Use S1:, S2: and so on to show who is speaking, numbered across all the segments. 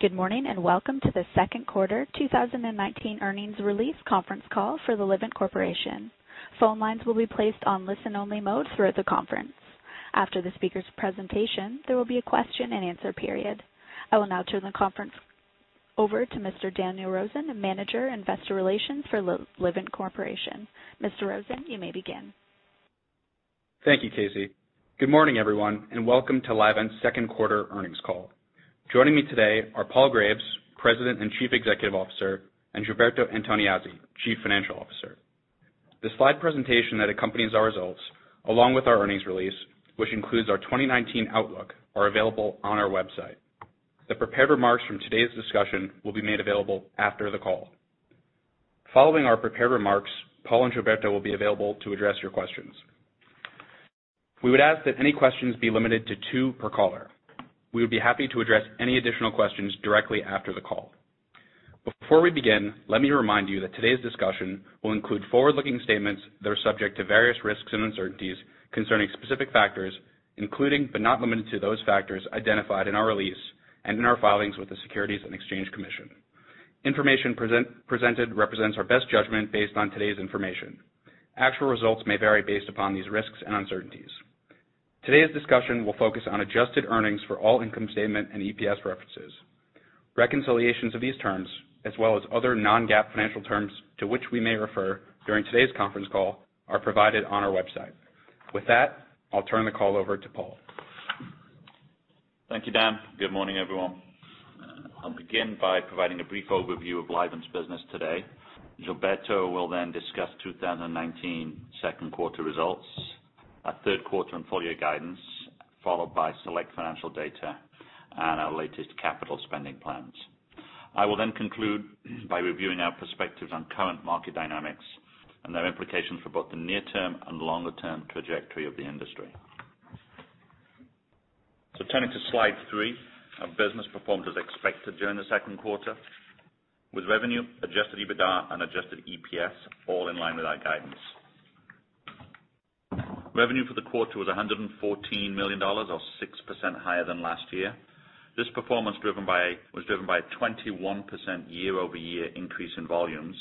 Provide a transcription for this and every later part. S1: Good morning, welcome to the second quarter 2019 earnings release conference call for the Livent Corporation. Phone lines will be placed on listen-only mode throughout the conference. After the speaker's presentation, there will be a question-and-answer period. I will now turn the conference over to Mr. Daniel Rosen, Manager, Investor Relations for Livent Corporation. Mr. Rosen, you may begin.
S2: Thank you, Casey. Good morning, everyone, and welcome to Livent's second quarter earnings call. Joining me today are Paul Graves, President and Chief Executive Officer, and Gilberto Antoniazzi, Chief Financial Officer. The slide presentation that accompanies our results, along with our earnings release, which includes our 2019 outlook, are available on our website. The prepared remarks from today's discussion will be made available after the call. Following our prepared remarks, Paul and Gilberto will be available to address your questions. We would ask that any questions be limited to two per caller. We would be happy to address any additional questions directly after the call. Before we begin, let me remind you that today's discussion will include forward-looking statements that are subject to various risks and uncertainties concerning specific factors, including, but not limited to, those factors identified in our release and in our filings with the Securities and Exchange Commission. Information presented represents our best judgment based on today's information. Actual results may vary based upon these risks and uncertainties. Today's discussion will focus on adjusted earnings for all income statement and EPS references. Reconciliations of these terms, as well as other non-GAAP financial terms to which we may refer during today's conference call, are provided on our website. With that, I'll turn the call over to Paul.
S3: Thank you, Dan. Good morning, everyone. I'll begin by providing a brief overview of Livent's business today. Gilberto will then discuss 2019 second quarter results, our third quarter and full-year guidance, followed by select financial data and our latest capital spending plans. I will then conclude by reviewing our perspectives on current market dynamics and their implications for both the near term and longer term trajectory of the industry. Turning to slide three, our business performed as expected during the second quarter, with revenue, adjusted EBITDA, and adjusted EPS all in line with our guidance. Revenue for the quarter was $114 million, or 6% higher than last year. This performance was driven by a 21% year-over-year increase in volumes,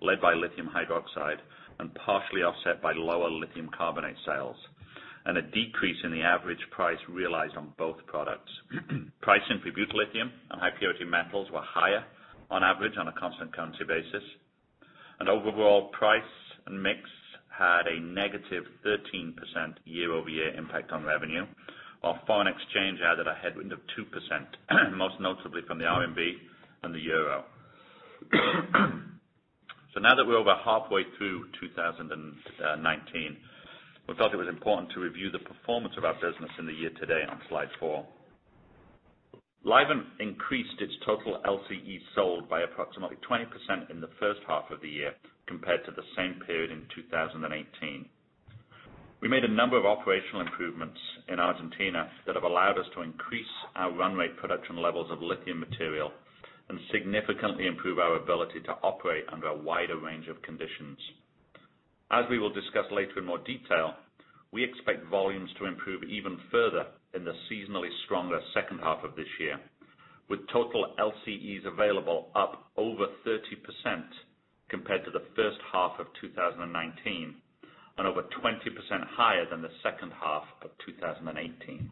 S3: led by lithium hydroxide and partially offset by lower lithium carbonate sales, and a decrease in the average price realized on both products. Pricing for butyllithium and high purity metals were higher on average on a constant currency basis, and overall price and mix had a negative 13% year-over-year impact on revenue, while foreign exchange added a headwind of 2%, most notably from the RMB and the euro. Now that we're over halfway through 2019, we felt it was important to review the performance of our business in the year to date on slide four. Livent increased its total LCE sold by approximately 20% in the first half of the year compared to the same period in 2018. We made a number of operational improvements in Argentina that have allowed us to increase our run rate production levels of lithium material and significantly improve our ability to operate under a wider range of conditions. As we will discuss later in more detail, we expect volumes to improve even further in the seasonally stronger second half of this year, with total LCEs available up over 30% compared to the first half of 2019 and over 20% higher than the second half of 2018.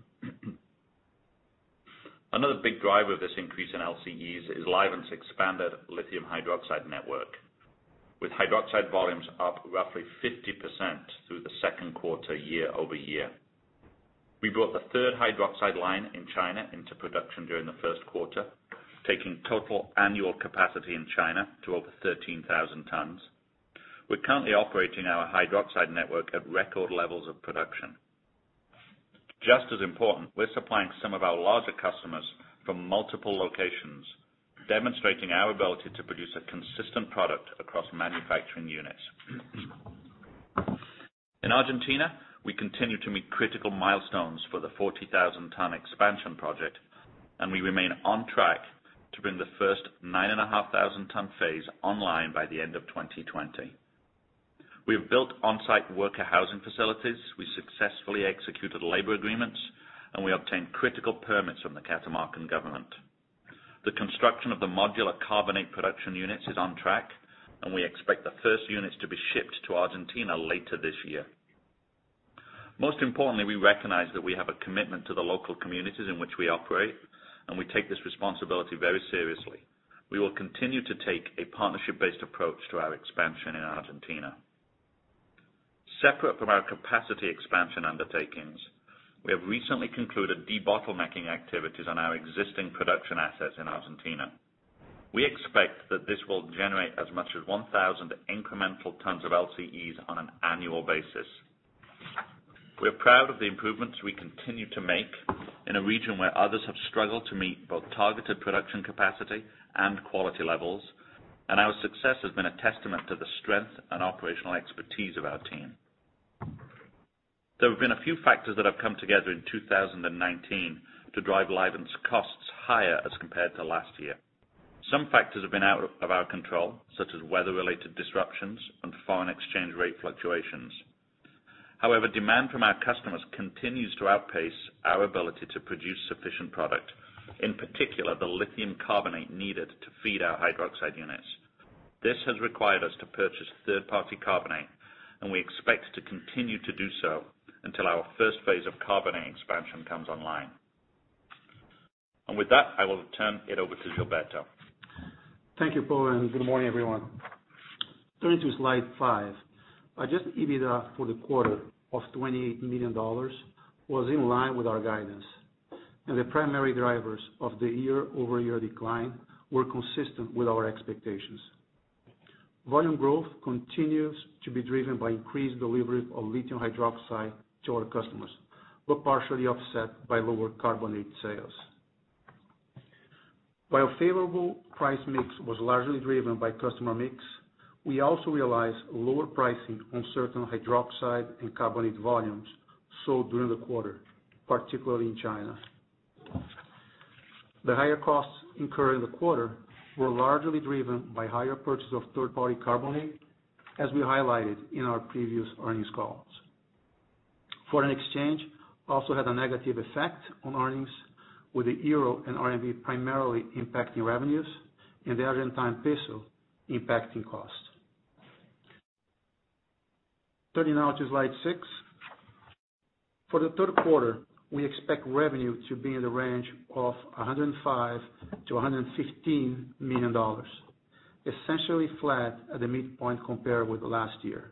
S3: Another big driver of this increase in LCEs is Livent's expanded lithium hydroxide network, with hydroxide volumes up roughly 50% through the second quarter year-over-year. We brought the third hydroxide line in China into production during the first quarter, taking total annual capacity in China to over 13,000 tons. We're currently operating our hydroxide network at record levels of production. Just as important, we're supplying some of our larger customers from multiple locations, demonstrating our ability to produce a consistent product across manufacturing units. In Argentina, we continue to meet critical milestones for the 40,000 ton expansion project. We remain on track to bring the first 9,500 ton phase online by the end of 2020. We have built on-site worker housing facilities, we successfully executed labor agreements. We obtained critical permits from the Catamarca government. The construction of the modular carbonate production units is on track. We expect the first units to be shipped to Argentina later this year. Most importantly, we recognize that we have a commitment to the local communities in which we operate. We take this responsibility very seriously. We will continue to take a partnership-based approach to our expansion in Argentina. Separate from our capacity expansion undertakings, we have recently concluded debottlenecking activities on our existing production assets in Argentina. We expect that this will generate as much as 1,000 incremental tons of LCEs on an annual basis. We're proud of the improvements we continue to make in a region where others have struggled to meet both targeted production capacity and quality levels, and our success has been a testament to the strength and operational expertise of our team. There have been a few factors that have come together in 2019 to drive Livent's costs higher as compared to last year. Some factors have been out of our control, such as weather-related disruptions and foreign exchange rate fluctuations. However, demand from our customers continues to outpace our ability to produce sufficient product, in particular, the lithium carbonate needed to feed our hydroxide units. This has required us to purchase third-party carbonate, and we expect to continue to do so until our first phase of carbonate expansion comes online. With that, I will turn it over to Gilberto.
S4: Thank you, Paul, and good morning, everyone. Turning to slide five. Adjusted EBITDA for the quarter of $28 million was in line with our guidance, and the primary drivers of the year-over-year decline were consistent with our expectations. Volume growth continues to be driven by increased deliveries of lithium hydroxide to our customers, but partially offset by lower carbonate sales. While favorable price mix was largely driven by customer mix, we also realized lower pricing on certain hydroxide and carbonate volumes sold during the quarter, particularly in China. The higher costs incurred in the quarter were largely driven by higher purchase of third-party carbonate, as we highlighted in our previous earnings calls. Foreign exchange also had a negative effect on earnings with the euro and RMB primarily impacting revenues, and the Argentine peso impacting costs. Turning now to slide six. For the third quarter, we expect revenue to be in the range of $105 million-$115 million, essentially flat at the midpoint compared with last year,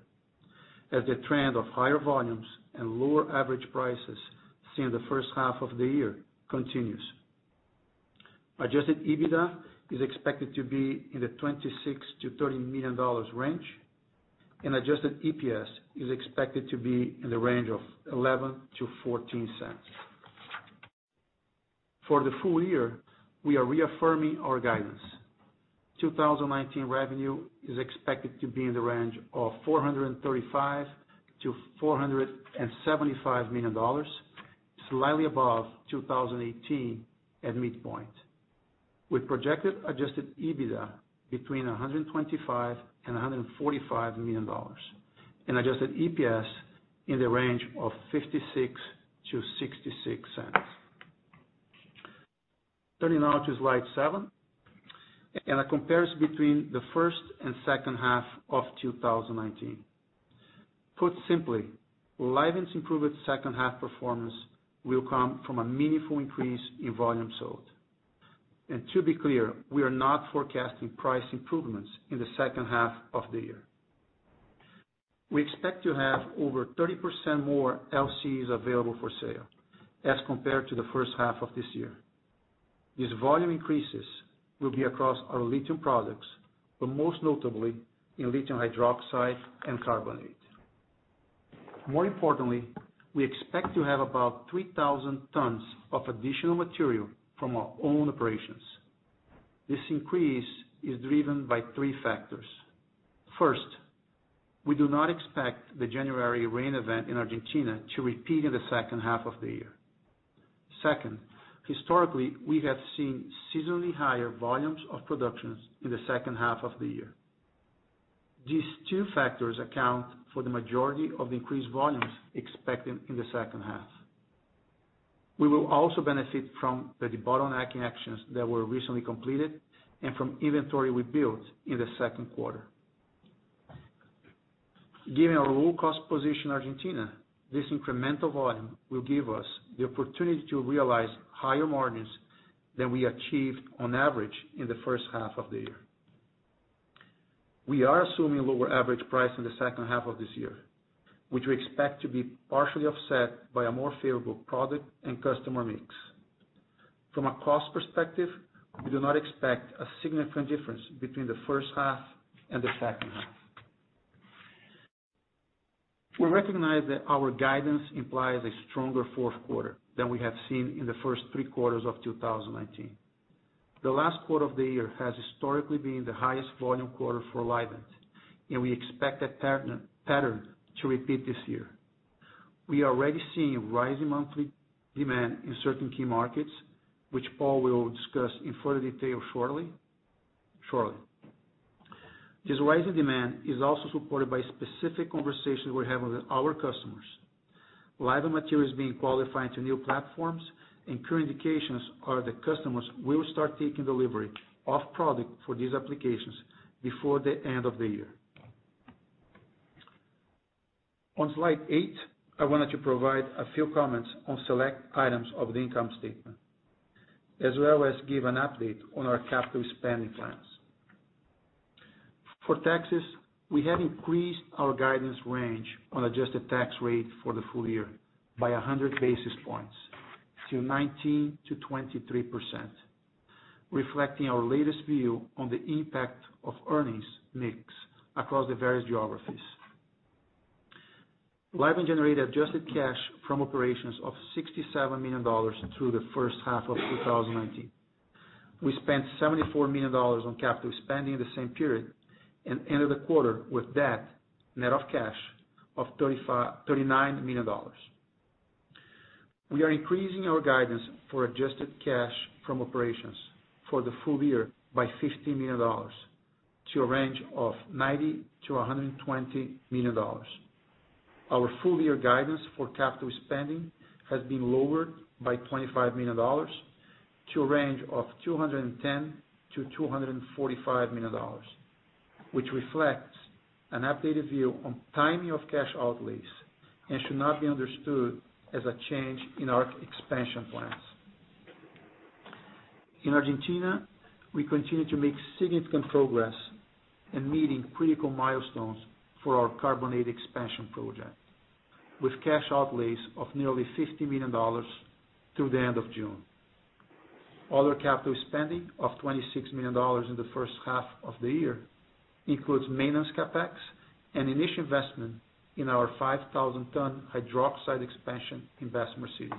S4: as the trend of higher volumes and lower average prices seen in the first half of the year continues. Adjusted EBITDA is expected to be in the $26 million-$30 million range, and adjusted EPS is expected to be in the range of $0.11-$0.14. For the full year, we are reaffirming our guidance. 2019 revenue is expected to be in the range of $435 million-$475 million, slightly above 2018 at midpoint. With projected adjusted EBITDA between $125 million and $145 million, and adjusted EPS in the range of $0.56-$0.66. Turning now to slide seven, and a comparison between the first and second half of 2019. Put simply, Livent's improved second half performance will come from a meaningful increase in volume sold. To be clear, we are not forecasting price improvements in the second half of the year. We expect to have over 30% more LCEs available for sale as compared to the first half of this year. These volume increases will be across our lithium products, but most notably in lithium hydroxide and carbonate. More importantly, we expect to have about 3,000 tons of additional material from our own operations. This increase is driven by three factors. First, we do not expect the January rain event in Argentina to repeat in the second half of the year. Second, historically, we have seen seasonally higher volumes of productions in the second half of the year. These two factors account for the majority of the increased volumes expected in the second half. We will also benefit from the bottlenecking actions that were recently completed and from inventory we built in the second quarter. Given our low-cost position in Argentina, this incremental volume will give us the opportunity to realize higher margins than we achieved on average in the first half of the year. We are assuming lower average price in the second half of this year, which we expect to be partially offset by a more favorable product and customer mix. From a cost perspective, we do not expect a significant difference between the first half and the second half. We recognize that our guidance implies a stronger fourth quarter than we have seen in the first three quarters of 2019. The last quarter of the year has historically been the highest volume quarter for Livent, and we expect that pattern to repeat this year. We are already seeing rising monthly demand in certain key markets, which Paul will discuss in further detail shortly. This rise in demand is also supported by specific conversations we're having with our customers. Livent material is being qualified to new platforms, and current indications are that customers will start taking delivery of product for these applications before the end of the year. On slide eight, I wanted to provide a few comments on select items of the income statement, as well as give an an update on our capital spending plans. For taxes, we have increased our guidance range on adjusted tax rate for the full year by 100 basis points to 19%-23%, reflecting our latest view on the impact of earnings mix across the various geographies. Livent generated adjusted cash from operations of $67 million through the first half of 2019. We spent $74 million on capital spending in the same period and ended the quarter with debt net of cash of $39 million. We are increasing our guidance for adjusted cash from operations for the full year by $15 million to a range of $90 million-$120 million. Our full year guidance for capital spending has been lowered by $25 million to a range of $210 million-$245 million, which reflects an updated view on timing of cash outlays and should not be understood as a change in our expansion plans. In Argentina, we continue to make significant progress in meeting critical milestones for our carbonate expansion project, with cash outlays of nearly $50 million through the end of June. Other capital spending of $26 million in the first half of the year includes maintenance CapEx and initial investment in our 5,000-ton hydroxide expansion in Bessemer City.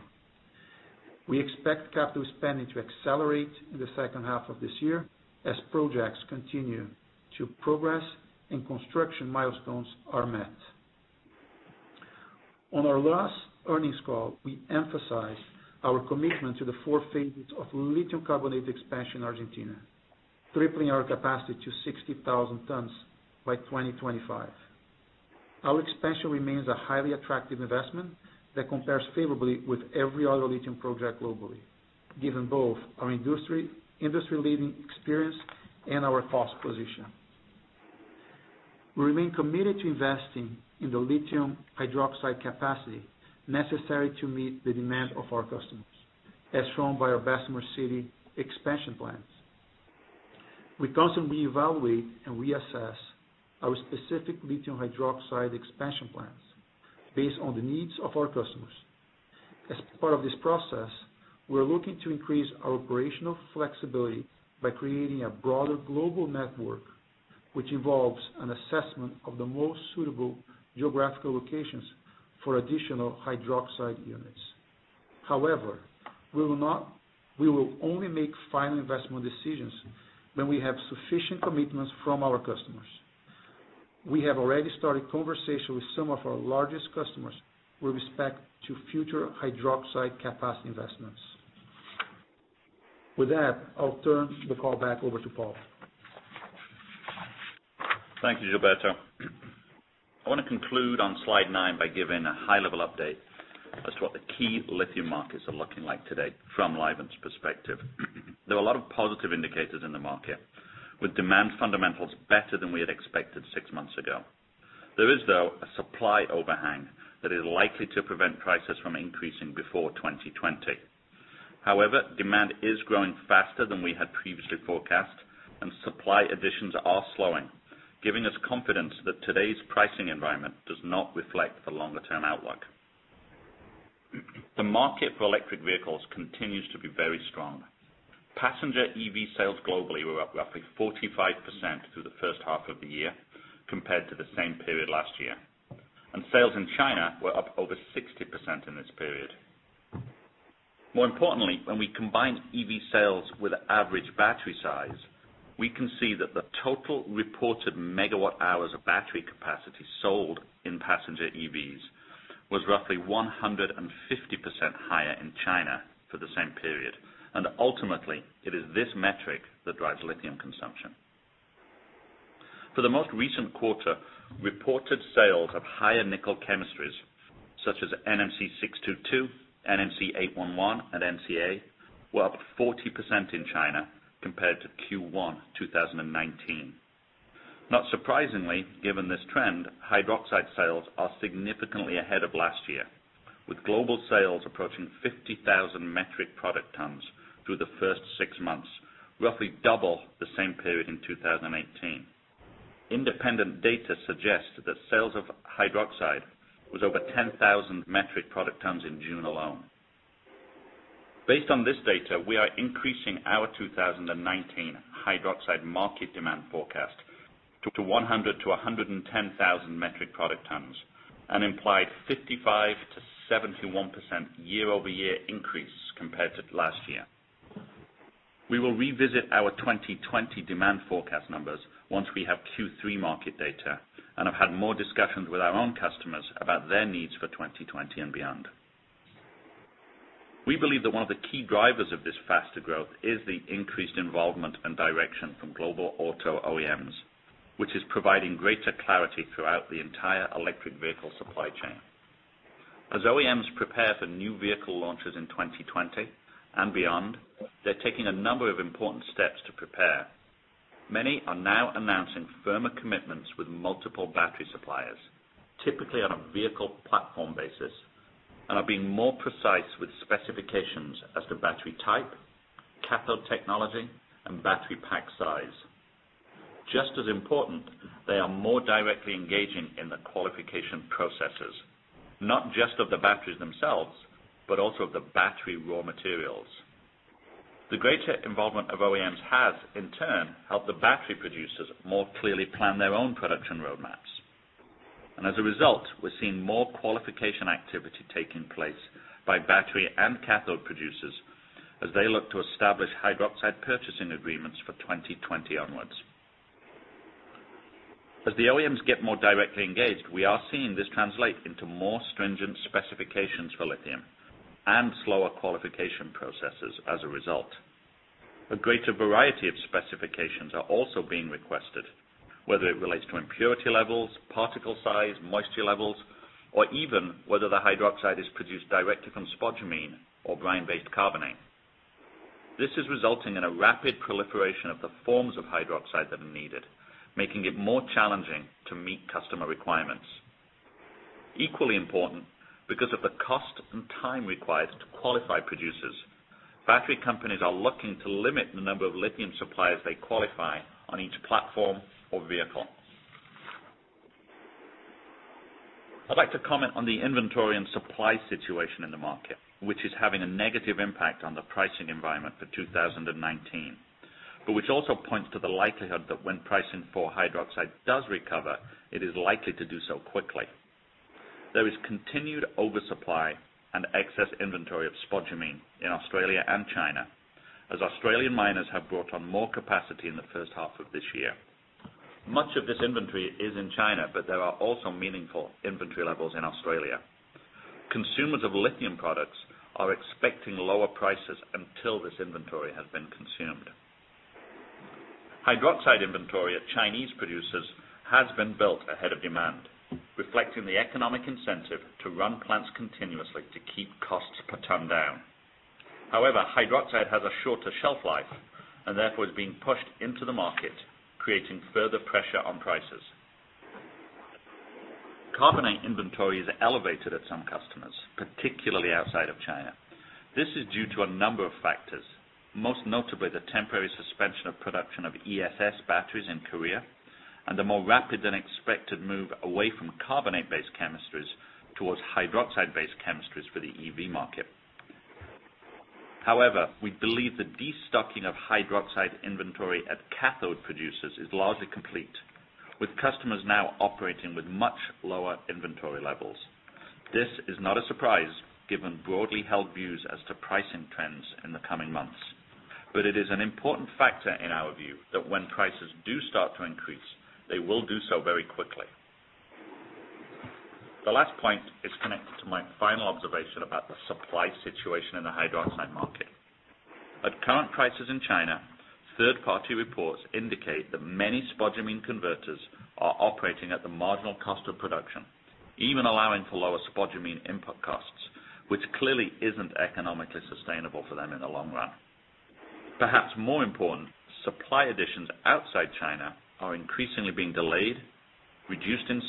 S4: We expect capital spending to accelerate in the second half of this year as projects continue to progress and construction milestones are met. On our last earnings call, we emphasized our commitment to the four phases of lithium carbonate expansion in Argentina, tripling our capacity to 60,000 tons by 2025. Our expansion remains a highly attractive investment that compares favorably with every other lithium project globally, given both our industry-leading experience and our cost position. We remain committed to investing in the lithium hydroxide capacity necessary to meet the demand of our customers, as shown by our Bessemer City expansion plans. We constantly evaluate and reassess our specific lithium hydroxide expansion plans based on the needs of our customers. As part of this process, we're looking to increase our operational flexibility by creating a broader global network, which involves an assessment of the most suitable geographical locations for additional hydroxide units. However, we will only make final investment decisions when we have sufficient commitments from our customers. We have already started conversations with some of our largest customers with respect to future hydroxide capacity investments. With that, I'll turn the call back over to Paul.
S3: Thank you, Gilberto. I want to conclude on slide nine by giving a high-level update as to what the key lithium markets are looking like today from Livent's perspective. There were a lot of positive indicators in the market, with demand fundamentals better than we had expected six months ago. There is, though, a supply overhang that is likely to prevent prices from increasing before 2020. However, demand is growing faster than we had previously forecast, and supply additions are slowing, giving us confidence that today's pricing environment does not reflect the longer-term outlook. The market for electric vehicles continues to be very strong. Passenger EV sales globally were up roughly 45% through the first half of the year compared to the same period last year. Sales in China were up over 60% in this period. More importantly, when we combine EV sales with average battery size, we can see that the total reported megawatt hours of battery capacity sold in passenger EVs was roughly 150% higher in China for the same period. Ultimately, it is this metric that drives lithium consumption. For the most recent quarter, reported sales of higher nickel chemistries such as NMC622, NMC811, and NCA were up 40% in China compared to Q1 2019. Not surprisingly, given this trend, hydroxide sales are significantly ahead of last year, with global sales approaching 50,000 metric product tons through the first six months, roughly double the same period in 2018. Independent data suggests that sales of hydroxide was over 10,000 metric product tons in June alone. Based on this data, we are increasing our 2019 hydroxide market demand forecast to 100,000-110,000 metric product tons, an implied 55%-71% year-over-year increase compared to last year. We will revisit our 2020 demand forecast numbers once we have Q3 market data and have had more discussions with our own customers about their needs for 2020 and beyond. We believe that one of the key drivers of this faster growth is the increased involvement and direction from global auto OEMs, which is providing greater clarity throughout the entire electric vehicle supply chain. As OEMs prepare for new vehicle launches in 2020 and beyond, they're taking a number of important steps to prepare. Many are now announcing firmer commitments with multiple battery suppliers, typically on a vehicle platform basis, and are being more precise with specifications as to battery type, cathode technology, and battery pack size. Just as important, they are more directly engaging in the qualification processes, not just of the batteries themselves, but also of the battery raw materials. The greater involvement of OEMs has, in turn, helped the battery producers more clearly plan their own production roadmaps. As a result, we're seeing more qualification activity taking place by battery and cathode producers as they look to establish hydroxide purchasing agreements for 2020 onwards. As the OEMs get more directly engaged, we are seeing this translate into more stringent specifications for lithium and slower qualification processes as a result. A greater variety of specifications are also being requested, whether it relates to impurity levels, particle size, moisture levels, or even whether the hydroxide is produced directly from spodumene or brine-based carbonate. This is resulting in a rapid proliferation of the forms of hydroxide that are needed, making it more challenging to meet customer requirements. Equally important, because of the cost and time required to qualify producers, battery companies are looking to limit the number of lithium suppliers they qualify on each platform or vehicle. I'd like to comment on the inventory and supply situation in the market, which is having a negative impact on the pricing environment for 2019, but which also points to the likelihood that when pricing for hydroxide does recover, it is likely to do so quickly. There is continued oversupply and excess inventory of spodumene in Australia and China, as Australian miners have brought on more capacity in the first half of this year. Much of this inventory is in China, but there are also meaningful inventory levels in Australia. Consumers of lithium products are expecting lower prices until this inventory has been consumed. Hydroxide inventory at Chinese producers has been built ahead of demand, reflecting the economic incentive to run plants continuously to keep costs per ton down. However, hydroxide has a shorter shelf life and therefore is being pushed into the market, creating further pressure on prices. Carbonate inventory is elevated at some customers, particularly outside of China. This is due to a number of factors, most notably the temporary suspension of production of ESS batteries in Korea and the more rapid than expected move away from carbonate-based chemistries towards hydroxide-based chemistries for the EV market. However, we believe the destocking of hydroxide inventory at cathode producers is largely complete, with customers now operating with much lower inventory levels. This is not a surprise given broadly held views as to pricing trends in the coming months. It is an important factor in our view that when prices do start to increase, they will do so very quickly. The last point is connected to my final observation about the supply situation in the hydroxide market. At current prices in China, third-party reports indicate that many spodumene converters are operating at the marginal cost of production, even allowing for lower spodumene input costs, which clearly isn't economically sustainable for them in the long run. Perhaps more important, supply additions outside China are increasingly being delayed, reduced in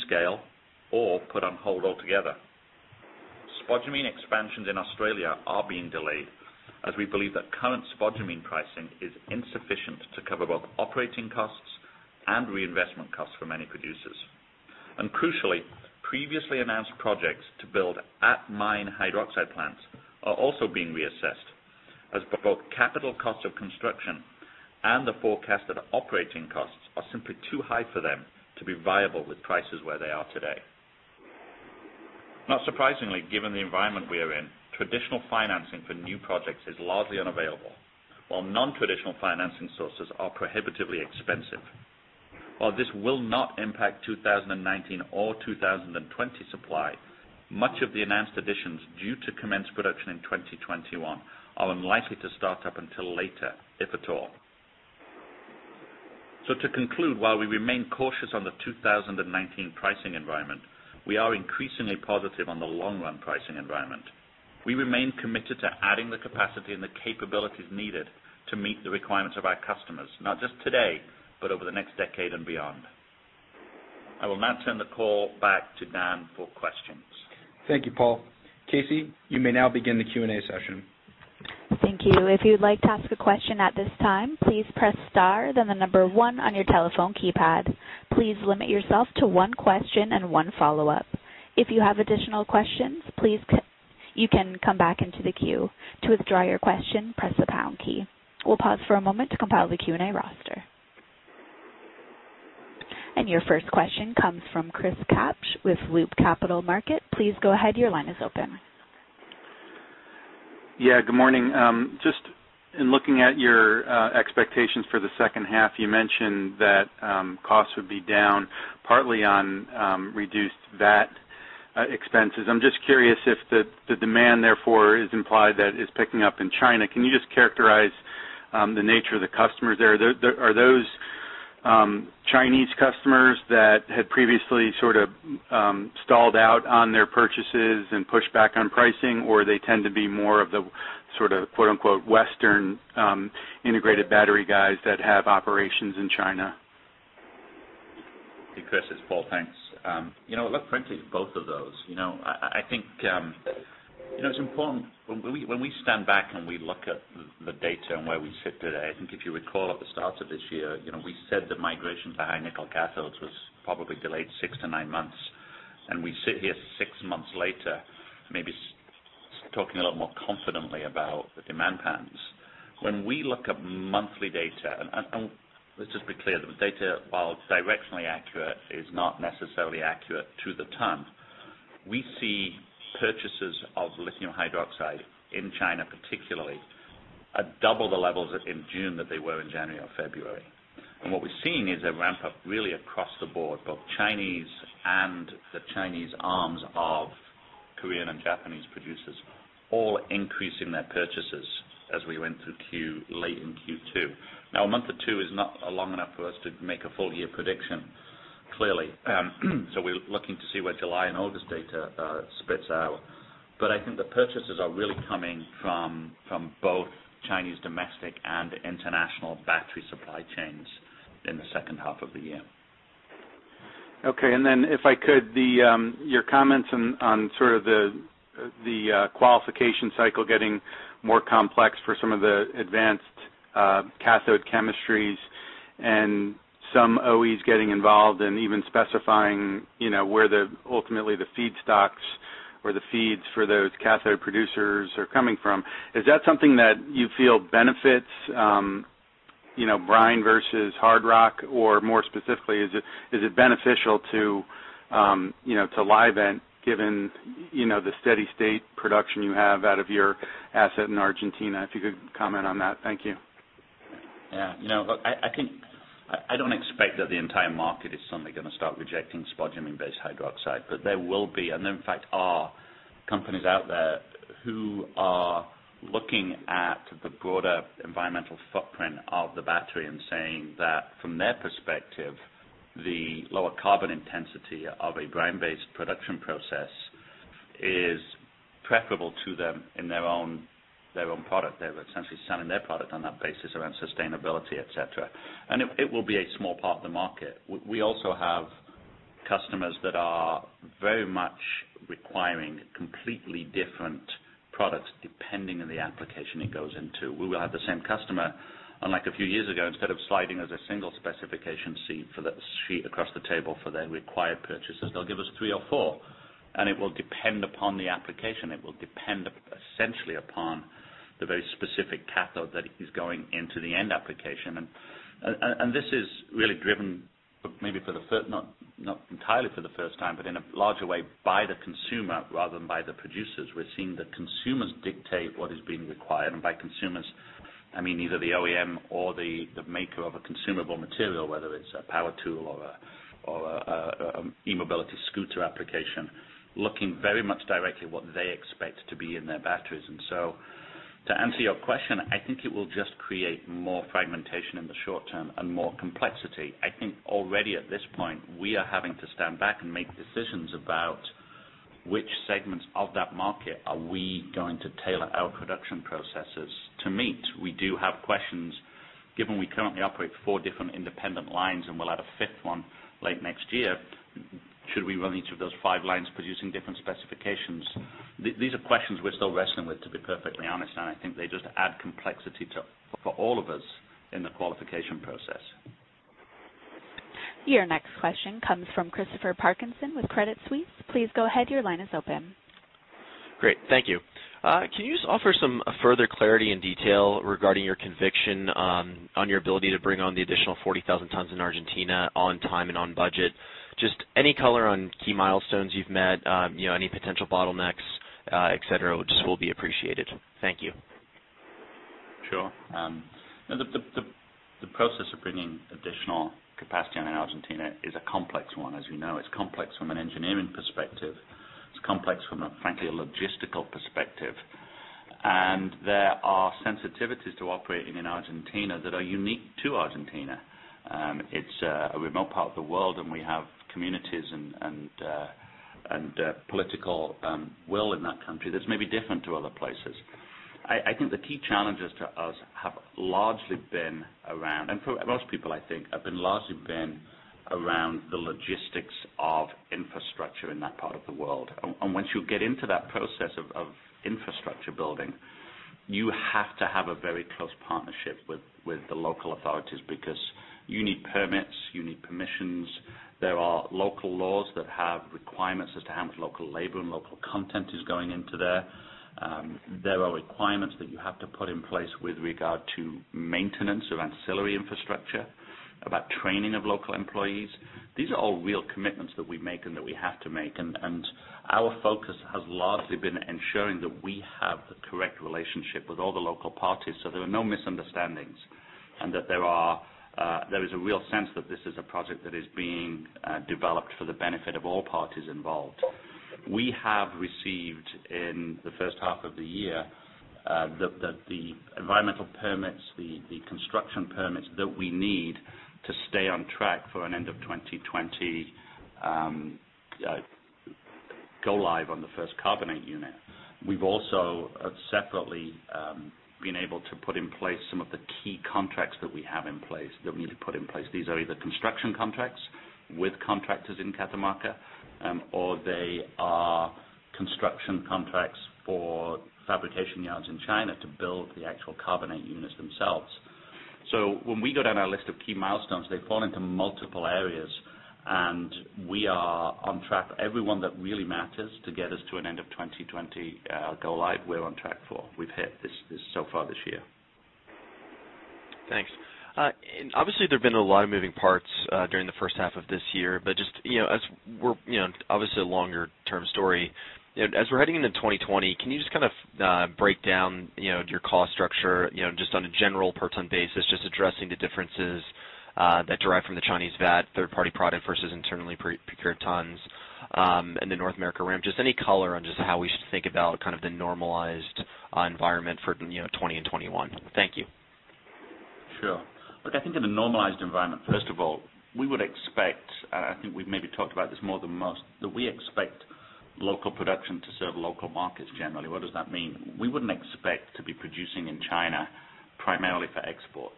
S3: scale, or put on hold altogether. Spodumene expansions in Australia are being delayed as we believe that current spodumene pricing is insufficient to cover both operating costs and reinvestment costs for many producers. Crucially, previously announced projects to build at-mine hydroxide plants are also being reassessed as both capital cost of construction and the forecasted operating costs are simply too high for them to be viable with prices where they are today. Not surprisingly, given the environment we are in, traditional financing for new projects is largely unavailable, while non-traditional financing sources are prohibitively expensive. While this will not impact 2019 or 2020 supply, much of the announced additions due to commence production in 2021 are unlikely to start up until later, if at all. To conclude, while we remain cautious on the 2019 pricing environment, we are increasingly positive on the long-run pricing environment. We remain committed to adding the capacity and the capabilities needed to meet the requirements of our customers, not just today, but over the next decade and beyond. I will now turn the call back to Dan for questions.
S2: Thank you, Paul. Casey, you may now begin the Q&A session.
S1: Thank you. If you'd like to ask a question at this time, please press star, then the number 1 on your telephone keypad. Please limit yourself to one question and one follow-up. If you have additional questions, you can come back into the queue. To withdraw your question, press the pound key. We'll pause for a moment to compile the Q&A roster. Your first question comes from Chris Kapsch with Loop Capital Markets. Please go ahead, your line is open.
S5: Yeah, good morning. Just in looking at your expectations for the second half, you mentioned that costs would be down partly on reduced VAT expenses. I'm just curious if the demand, therefore, is implied that it is picking up in China. Can you just characterize the nature of the customers there? Are those Chinese customers that had previously sort of stalled out on their purchases and pushed back on pricing, or they tend to be more of the sort of, quote-unquote, Western integrated battery guys that have operations in China?
S3: Hey, Chris. It's Paul. Thanks. Look, frankly, both of those. I think it's important when we stand back and we look at the data and where we sit today, I think if you recall at the start of this year, we said that migration to high nickel cathodes was probably delayed 6-9 months. We sit here six months later maybe talking a lot more confidently about the demand patterns. When we look at monthly data, and let's just be clear, the data, while it's directionally accurate, is not necessarily accurate to the ton. We see purchases of lithium hydroxide in China particularly at double the levels in June that they were in January or February. What we're seeing is a ramp up really across the board, both Chinese and the Chinese arms of Korean and Japanese producers all increasing their purchases as we went through late in Q2. A month or two is not long enough for us to make a full year prediction, clearly. We're looking to see what July and August data spits out. I think the purchases are really coming from both Chinese domestic and international battery supply chains in the second half of the year.
S5: Okay, if I could, your comments on sort of the qualification cycle getting more complex for some of the advanced cathode chemistries and some OEs getting involved and even specifying where ultimately the feedstocks or the feeds for those cathode producers are coming from, is that something that you feel benefits brine versus hard rock? More specifically, is it beneficial to Livent given the steady state production you have out of your asset in Argentina? If you could comment on that. Thank you.
S3: Yeah. I don't expect that the entire market is suddenly going to start rejecting spodumene-based hydroxide, but there will be, and in fact are, companies out there who are looking at the broader environmental footprint of the battery and saying that from their perspective, the lower carbon intensity of a brine-based production process is preferable to them in their own product. They're essentially selling their product on that basis around sustainability, et cetera. It will be a small part of the market. We also have customers that are very much requiring completely different products depending on the application it goes into. We will have the same customer, unlike a few years ago, instead of sliding as a single specification sheet for the sheet across the table for their required purchases, they'll give us three or four, and it will depend upon the application. It will depend essentially upon the very specific cathode that is going into the end application. This is really driven, maybe not entirely for the first time, but in a larger way, by the consumer rather than by the producers. We're seeing the consumers dictate what is being required. By consumers, I mean either the OEM or the maker of a consumable material, whether it's a power tool or an e-mobility scooter application, looking very much directly what they expect to be in their batteries. To answer your question, I think it will just create more fragmentation in the short term and more complexity. I think already at this point, we are having to stand back and make decisions about which segments of that market are we going to tailor our production processes to meet. We do have questions, given we currently operate four different independent lines and we'll add a fifth one late next year. Should we run each of those five lines producing different specifications? These are questions we're still wrestling with, to be perfectly honest. I think they just add complexity for all of us in the qualification process.
S1: Your next question comes from Christopher Parkinson with Credit Suisse. Please go ahead. Your line is open.
S6: Great. Thank you. Can you just offer some further clarity and detail regarding your conviction on your ability to bring on the additional 40,000 tons in Argentina on time and on budget? Just any color on key milestones you've met, any potential bottlenecks, et cetera, just will be appreciated. Thank you.
S3: Sure. The process of bringing additional capacity on in Argentina is a complex one, as we know. It's complex from an engineering perspective. It's complex from a, frankly, a logistical perspective. There are sensitivities to operating in Argentina that are unique to Argentina. It's a remote part of the world, and we have communities and political will in that country that's maybe different to other places. I think the key challenges to us have largely been around, and for most people, I think, have largely been around the logistics of infrastructure in that part of the world. Once you get into that process of infrastructure building, you have to have a very close partnership with the local authorities because you need permits, you need permissions. There are local laws that have requirements as to how much local labor and local content is going into there. There are requirements that you have to put in place with regard to maintenance of ancillary infrastructure, about training of local employees. These are all real commitments that we make and that we have to make. Our focus has largely been ensuring that we have the correct relationship with all the local parties so there are no misunderstandings, and that there is a real sense that this is a project that is being developed for the benefit of all parties involved. We have received in the first half of the year, the environmental permits, the construction permits that we need to stay on track for an end of 2020 go live on the first carbonate unit. We've also separately been able to put in place some of the key contracts that we have in place that we need to put in place. These are either construction contracts with contractors in Catamarca, or they are construction contracts for fabrication yards in China to build the actual carbonate units themselves. When we go down our list of key milestones, they fall into multiple areas, and we are on track. Everyone that really matters to get us to an end of 2020 go live, we're on track for. We've hit this so far this year.
S6: Thanks. Obviously there have been a lot of moving parts during the first half of this year, but just as we're obviously a longer-term story. As we're heading into 2020, can you just kind of break down your cost structure, just on a general per ton basis, just addressing the differences that derive from the Chinese VAT, third-party product versus internally procured tons, and the North America ramp. Just any color on just how we should think about kind of the normalized environment for 2020 and 2021. Thank you.
S3: Sure. Look, I think in a normalized environment, first of all, we would expect, and I think we've maybe talked about this more than most, that we expect local production to serve local markets, generally. What does that mean? We wouldn't expect to be producing in China primarily for export.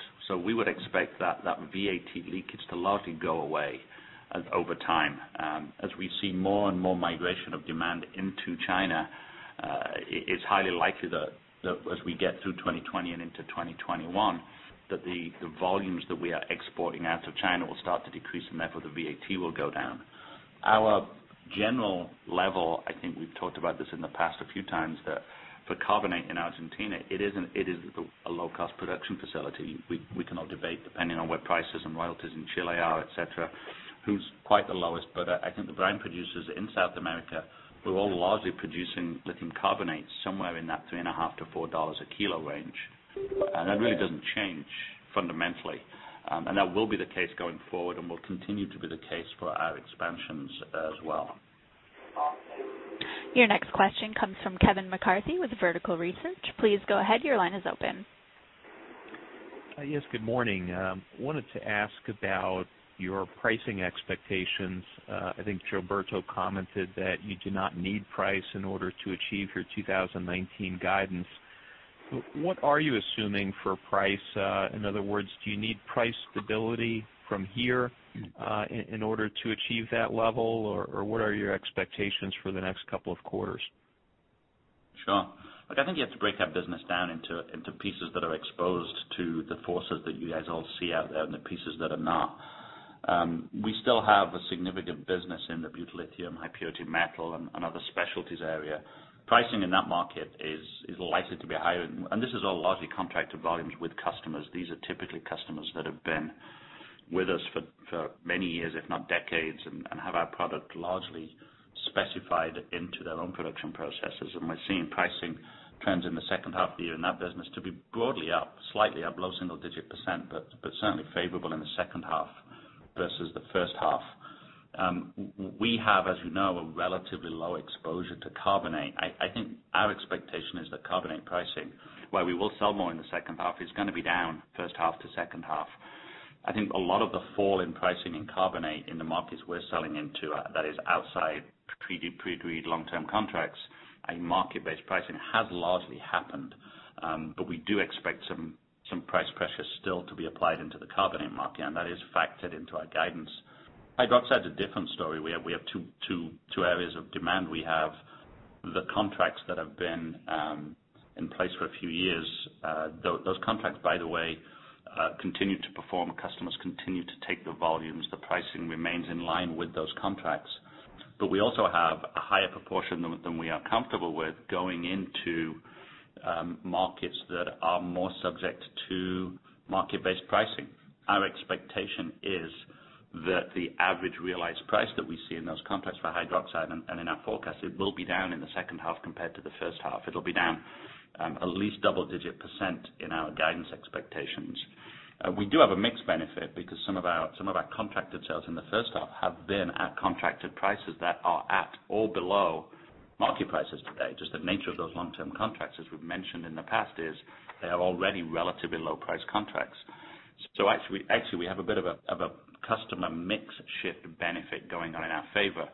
S3: We would expect that VAT leakage to largely go away over time. As we see more and more migration of demand into China, it's highly likely that as we get through 2020 and into 2021, that the volumes that we are exporting out of China will start to decrease, and therefore the VAT will go down. Our general level, I think we've talked about this in the past a few times, that for carbonate in Argentina, it is a low-cost production facility. We can all debate, depending on what prices and royalties in Chile are, et cetera, who's quite the lowest. I think the brine producers in South America, we're all largely producing lithium carbonate somewhere in that three and a half to $4 a kilo range. That really doesn't change fundamentally. That will be the case going forward and will continue to be the case for our expansions as well.
S1: Your next question comes from Kevin McCarthy with Vertical Research. Please go ahead. Your line is open.
S7: Yes, good morning. I wanted to ask about your pricing expectations. I think Gilberto commented that you do not need price in order to achieve your 2019 guidance. What are you assuming for price? In other words, do you need price stability from here in order to achieve that level, or what are your expectations for the next couple of quarters?
S3: Sure. Look, I think you have to break that business down into pieces that are exposed to the forces that you guys all see out there and the pieces that are not. We still have a significant business in the butyllithium, high purity metal, and other specialties area. Pricing in that market is likely to be higher. This is all largely contracted volumes with customers. These are typically customers that have been with us for many years, if not decades, and have our product largely specified into their own production processes. We're seeing pricing trends in the second half of the year in that business to be broadly up, slightly up, low single digit %, but certainly favorable in the second half versus the first half. We have, as you know, a relatively low exposure to carbonate. I think our expectation is that carbonate pricing, while we will sell more in the second half, is going to be down first half to second half. I think a lot of the fall in pricing in carbonate in the markets we're selling into, that is outside pre-agreed long-term contracts, a market-based pricing has largely happened. We do expect some price pressure still to be applied into the carbonate market, and that is factored into our guidance. Hydroxide's a different story. We have two areas of demand. We have the contracts that have been in place for a few years. Those contracts, by the way, continue to perform. Customers continue to take the volumes. The pricing remains in line with those contracts. We also have a higher proportion than we are comfortable with going into markets that are more subject to market-based pricing. Our expectation is that the average realized price that we see in those contracts for hydroxide and in our forecast, it will be down in the second half compared to the first half. It'll be down at least double-digit % in our guidance expectations. We do have a mixed benefit because some of our contracted sales in the first half have been at contracted prices that are at or below market prices today. The nature of those long-term contracts, as we've mentioned in the past, is they are already relatively low-priced contracts. Actually, we have a bit of a customer mix shift benefit going on in our favor.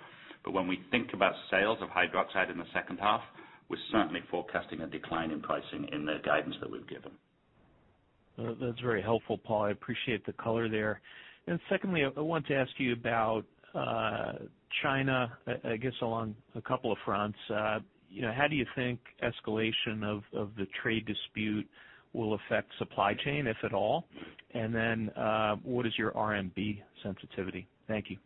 S3: When we think about sales of hydroxide in the second half, we're certainly forecasting a decline in pricing in the guidance that we've given.
S7: That's very helpful, Paul. I appreciate the color there. Secondly, I want to ask you about China, I guess along a couple of fronts. How do you think escalation of the trade dispute will affect supply chain, if at all? What is your RMB sensitivity? Thank you.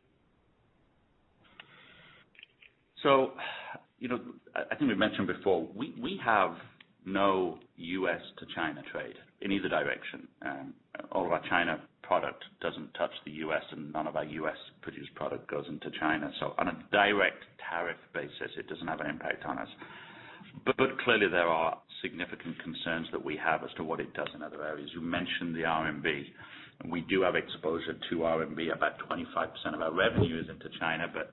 S3: I think we've mentioned before, we have no U.S. to China trade in either direction. All of our China product doesn't touch the U.S., and none of our U.S.-produced product goes into China. On a direct tariff basis, it doesn't have an impact on us. Clearly there are significant concerns that we have as to what it does in other areas. You mentioned the RMB, and we do have exposure to RMB. About 25% of our revenue is into China, but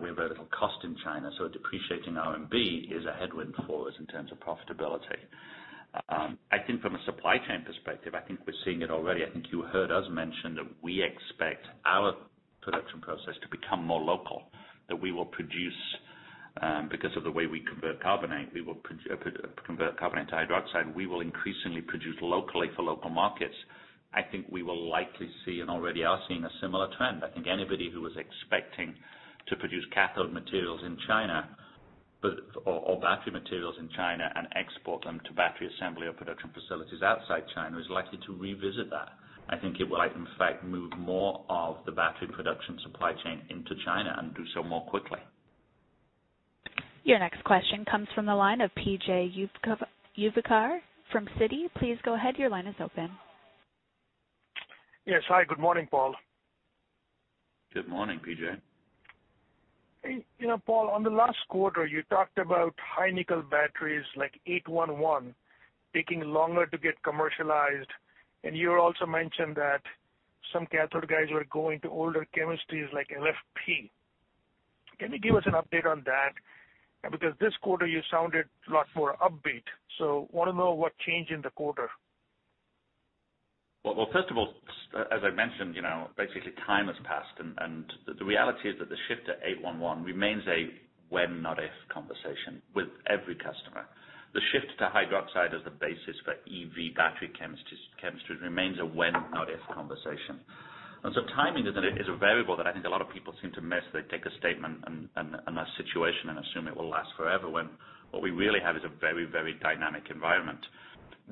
S3: we have very little cost in China, so a depreciating RMB is a headwind for us in terms of profitability. I think from a supply chain perspective, I think we're seeing it already. I think you heard us mention that we expect our production process to become more local, that we will produce, because of the way we convert carbonate to hydroxide, we will increasingly produce locally for local markets. I think we will likely see, and already are seeing, a similar trend. I think anybody who was expecting to produce cathode materials in China, or battery materials in China and export them to battery assembly or production facilities outside China, is likely to revisit that. I think it will, in fact, move more of the battery production supply chain into China and do so more quickly.
S1: Your next question comes from the line of P.J. Juvekar from Citi. Please go ahead. Your line is open.
S8: Yes. Hi, good morning, Paul.
S3: Good morning, P.J.
S8: Paul, on the last quarter, you talked about high nickel batteries like 811 taking longer to get commercialized, and you also mentioned that some cathode guys were going to older chemistries like LFP. Can you give us an update on that? This quarter you sounded a lot more upbeat, so want to know what changed in the quarter.
S3: Well, first of all, as I mentioned, basically time has passed, and the reality is that the shift to 811 remains a when, not if conversation with every customer. The shift to hydroxide as the basis for EV battery chemistry remains a when, not if conversation. Timing is a variable that I think a lot of people seem to miss. They take a statement and a situation and assume it will last forever, when what we really have is a very dynamic environment.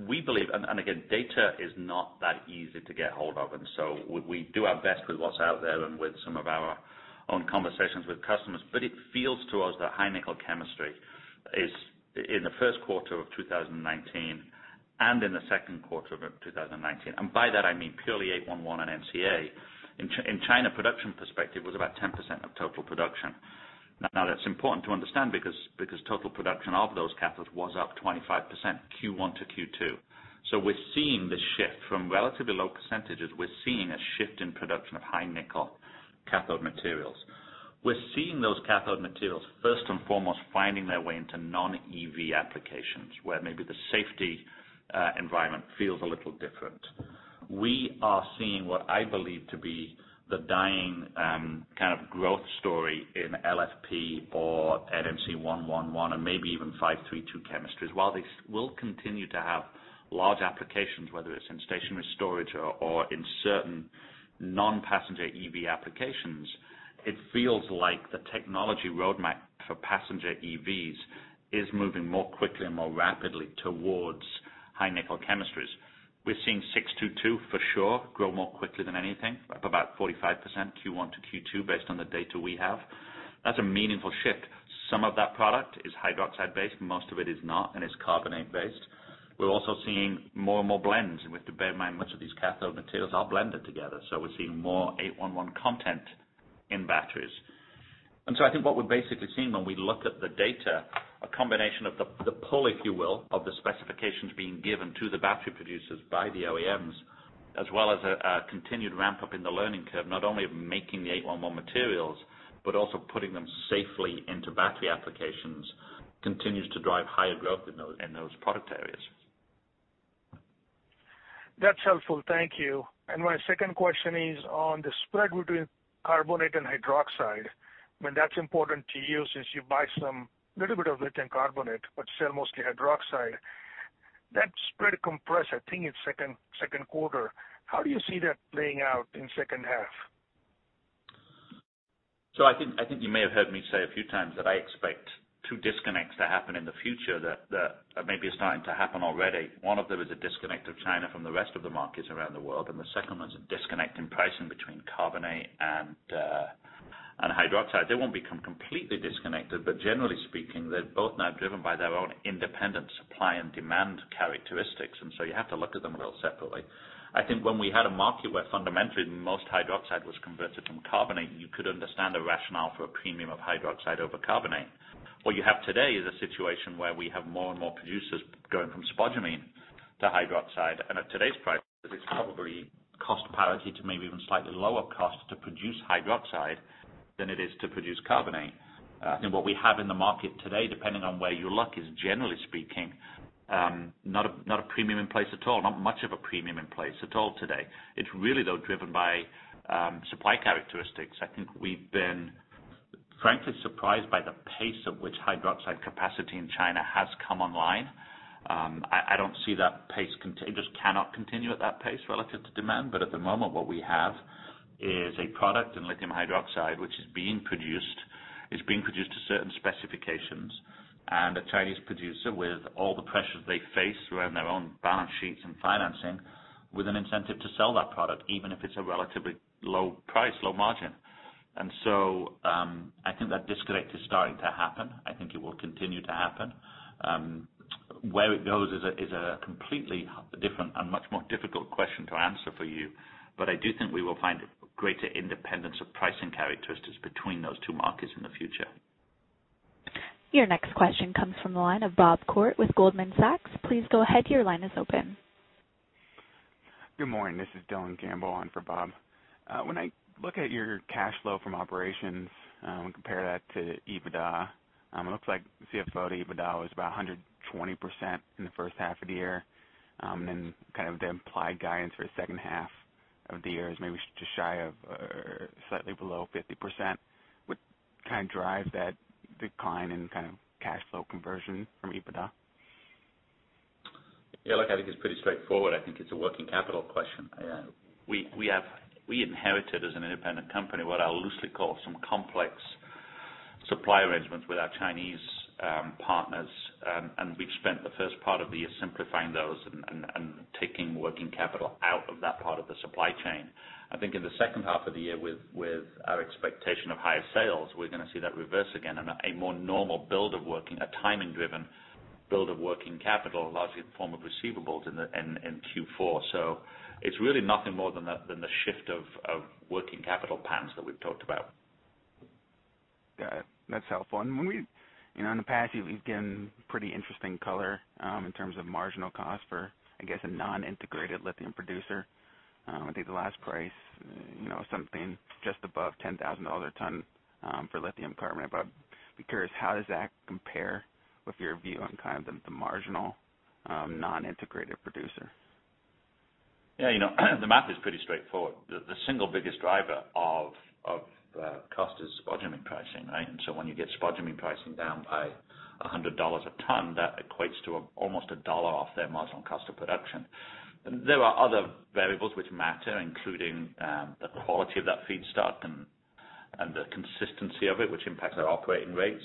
S3: We believe, and again, data is not that easy to get hold of, and so we do our best with what's out there and with some of our own conversations with customers. It feels to us that high nickel chemistry is in the first quarter of 2019 and in the second quarter of 2019. By that I mean purely 811 and NCA. In China production perspective was about 10% of total production. That's important to understand because total production of those cathodes was up 25% Q1 to Q2. We're seeing the shift from relatively low percentages. We're seeing a shift in production of high nickel cathode materials. We're seeing those cathode materials first and foremost, finding their way into non-EV applications where maybe the safety environment feels a little different. We are seeing what I believe to be the dying kind of growth story in LFP or NMC 111 and maybe even NMC 532 chemistries. While they will continue to have large applications, whether it's in stationary storage or in certain non-passenger EV applications, it feels like the technology roadmap for passenger EVs is moving more quickly and more rapidly towards high nickel chemistries. We're seeing 622 for sure grow more quickly than anything, up about 45% Q1 to Q2 based on the data we have. That's a meaningful shift. Some of that product is hydroxide-based, most of it is not, and it's carbonate-based. We're also seeing more and more blends. We have to bear in mind much of these cathode materials are blended together, so we're seeing more 811 content in batteries. I think what we're basically seeing when we look at the data, a combination of the pull, if you will, of the specifications being given to the battery producers by the OEMs, as well as a continued ramp-up in the learning curve, not only of making the 811 materials, but also putting them safely into battery applications, continues to drive higher growth in those product areas.
S8: That's helpful. Thank you. My second question is on the spread between carbonate and hydroxide. When that's important to you since you buy some little bit of lithium carbonate, but sell mostly hydroxide. That spread compressed, I think in second quarter. How do you see that playing out in second half?
S3: I think you may have heard me say a few times that I expect two disconnects to happen in the future that maybe are starting to happen already. One of them is a disconnect of China from the rest of the markets around the world, and the second one is a disconnect in pricing between carbonate and hydroxide. They won't become completely disconnected, but generally speaking, they're both now driven by their own independent supply and demand characteristics, and so you have to look at them a little separately. I think when we had a market where fundamentally most hydroxide was converted from carbonate, you could understand the rationale for a premium of hydroxide over carbonate. What you have today is a situation where we have more and more producers going from spodumene to hydroxide. At today's prices, it's probably cost parity to maybe even slightly lower cost to produce hydroxide than it is to produce carbonate. I think what we have in the market today, depending on where you look, is generally speaking, not a premium in place at all, not much of a premium in place at all today. It's really, though, driven by supply characteristics. I think we've been frankly surprised by the pace of which hydroxide capacity in China has come online. I don't see that pace. It just cannot continue at that pace relative to demand. At the moment what we have is a product in lithium hydroxide which is being produced, is being produced to certain specifications, and a Chinese producer with all the pressures they face around their own balance sheets and financing with an incentive to sell that product, even if it's a relatively low price, low margin. I think that disconnect is starting to happen. I think it will continue to happen. Where it goes is a completely different and much more difficult question to answer for you. I do think we will find greater independence of pricing characteristics between those two markets in the future.
S1: Your next question comes from the line of Bob Koort with Goldman Sachs. Please go ahead. Your line is open.
S9: Good morning. This is Dylan Campbell on for Bob. When I look at your cash flow from operations and compare that to EBITDA, it looks like CFO to EBITDA was about 120% in the first half of the year. Then kind of the implied guidance for the second half of the year is maybe just shy of or slightly below 50%. What kind of drives that decline in kind of cash flow conversion from EBITDA?
S3: Yeah, look, I think it's pretty straightforward. I think it's a working capital question. We inherited as an independent company what I'll loosely call some complex supply arrangements with our Chinese partners. We've spent the first part of the year simplifying those and taking working capital out of that part of the supply chain. I think in the second half of the year with our expectation of higher sales, we're going to see that reverse again and a more normal timing driven build of working capital largely in the form of receivables in Q4. It's really nothing more than the shift of working capital patterns that we've talked about.
S9: Got it. That's helpful. In the past, you've given pretty interesting color in terms of marginal cost for, I guess, a non-integrated lithium producer. I think the last price, something just above $10,000 a ton for lithium carbonate. I'd be curious, how does that compare with your view on kind of the marginal non-integrated producer?
S3: Yeah. The math is pretty straightforward. The single biggest driver of cost is spodumene pricing, right? When you get spodumene pricing down by $100 a ton, that equates to almost $1 off their marginal cost of production. There are other variables which matter, including the quality of that feedstock and the consistency of it, which impacts their operating rates,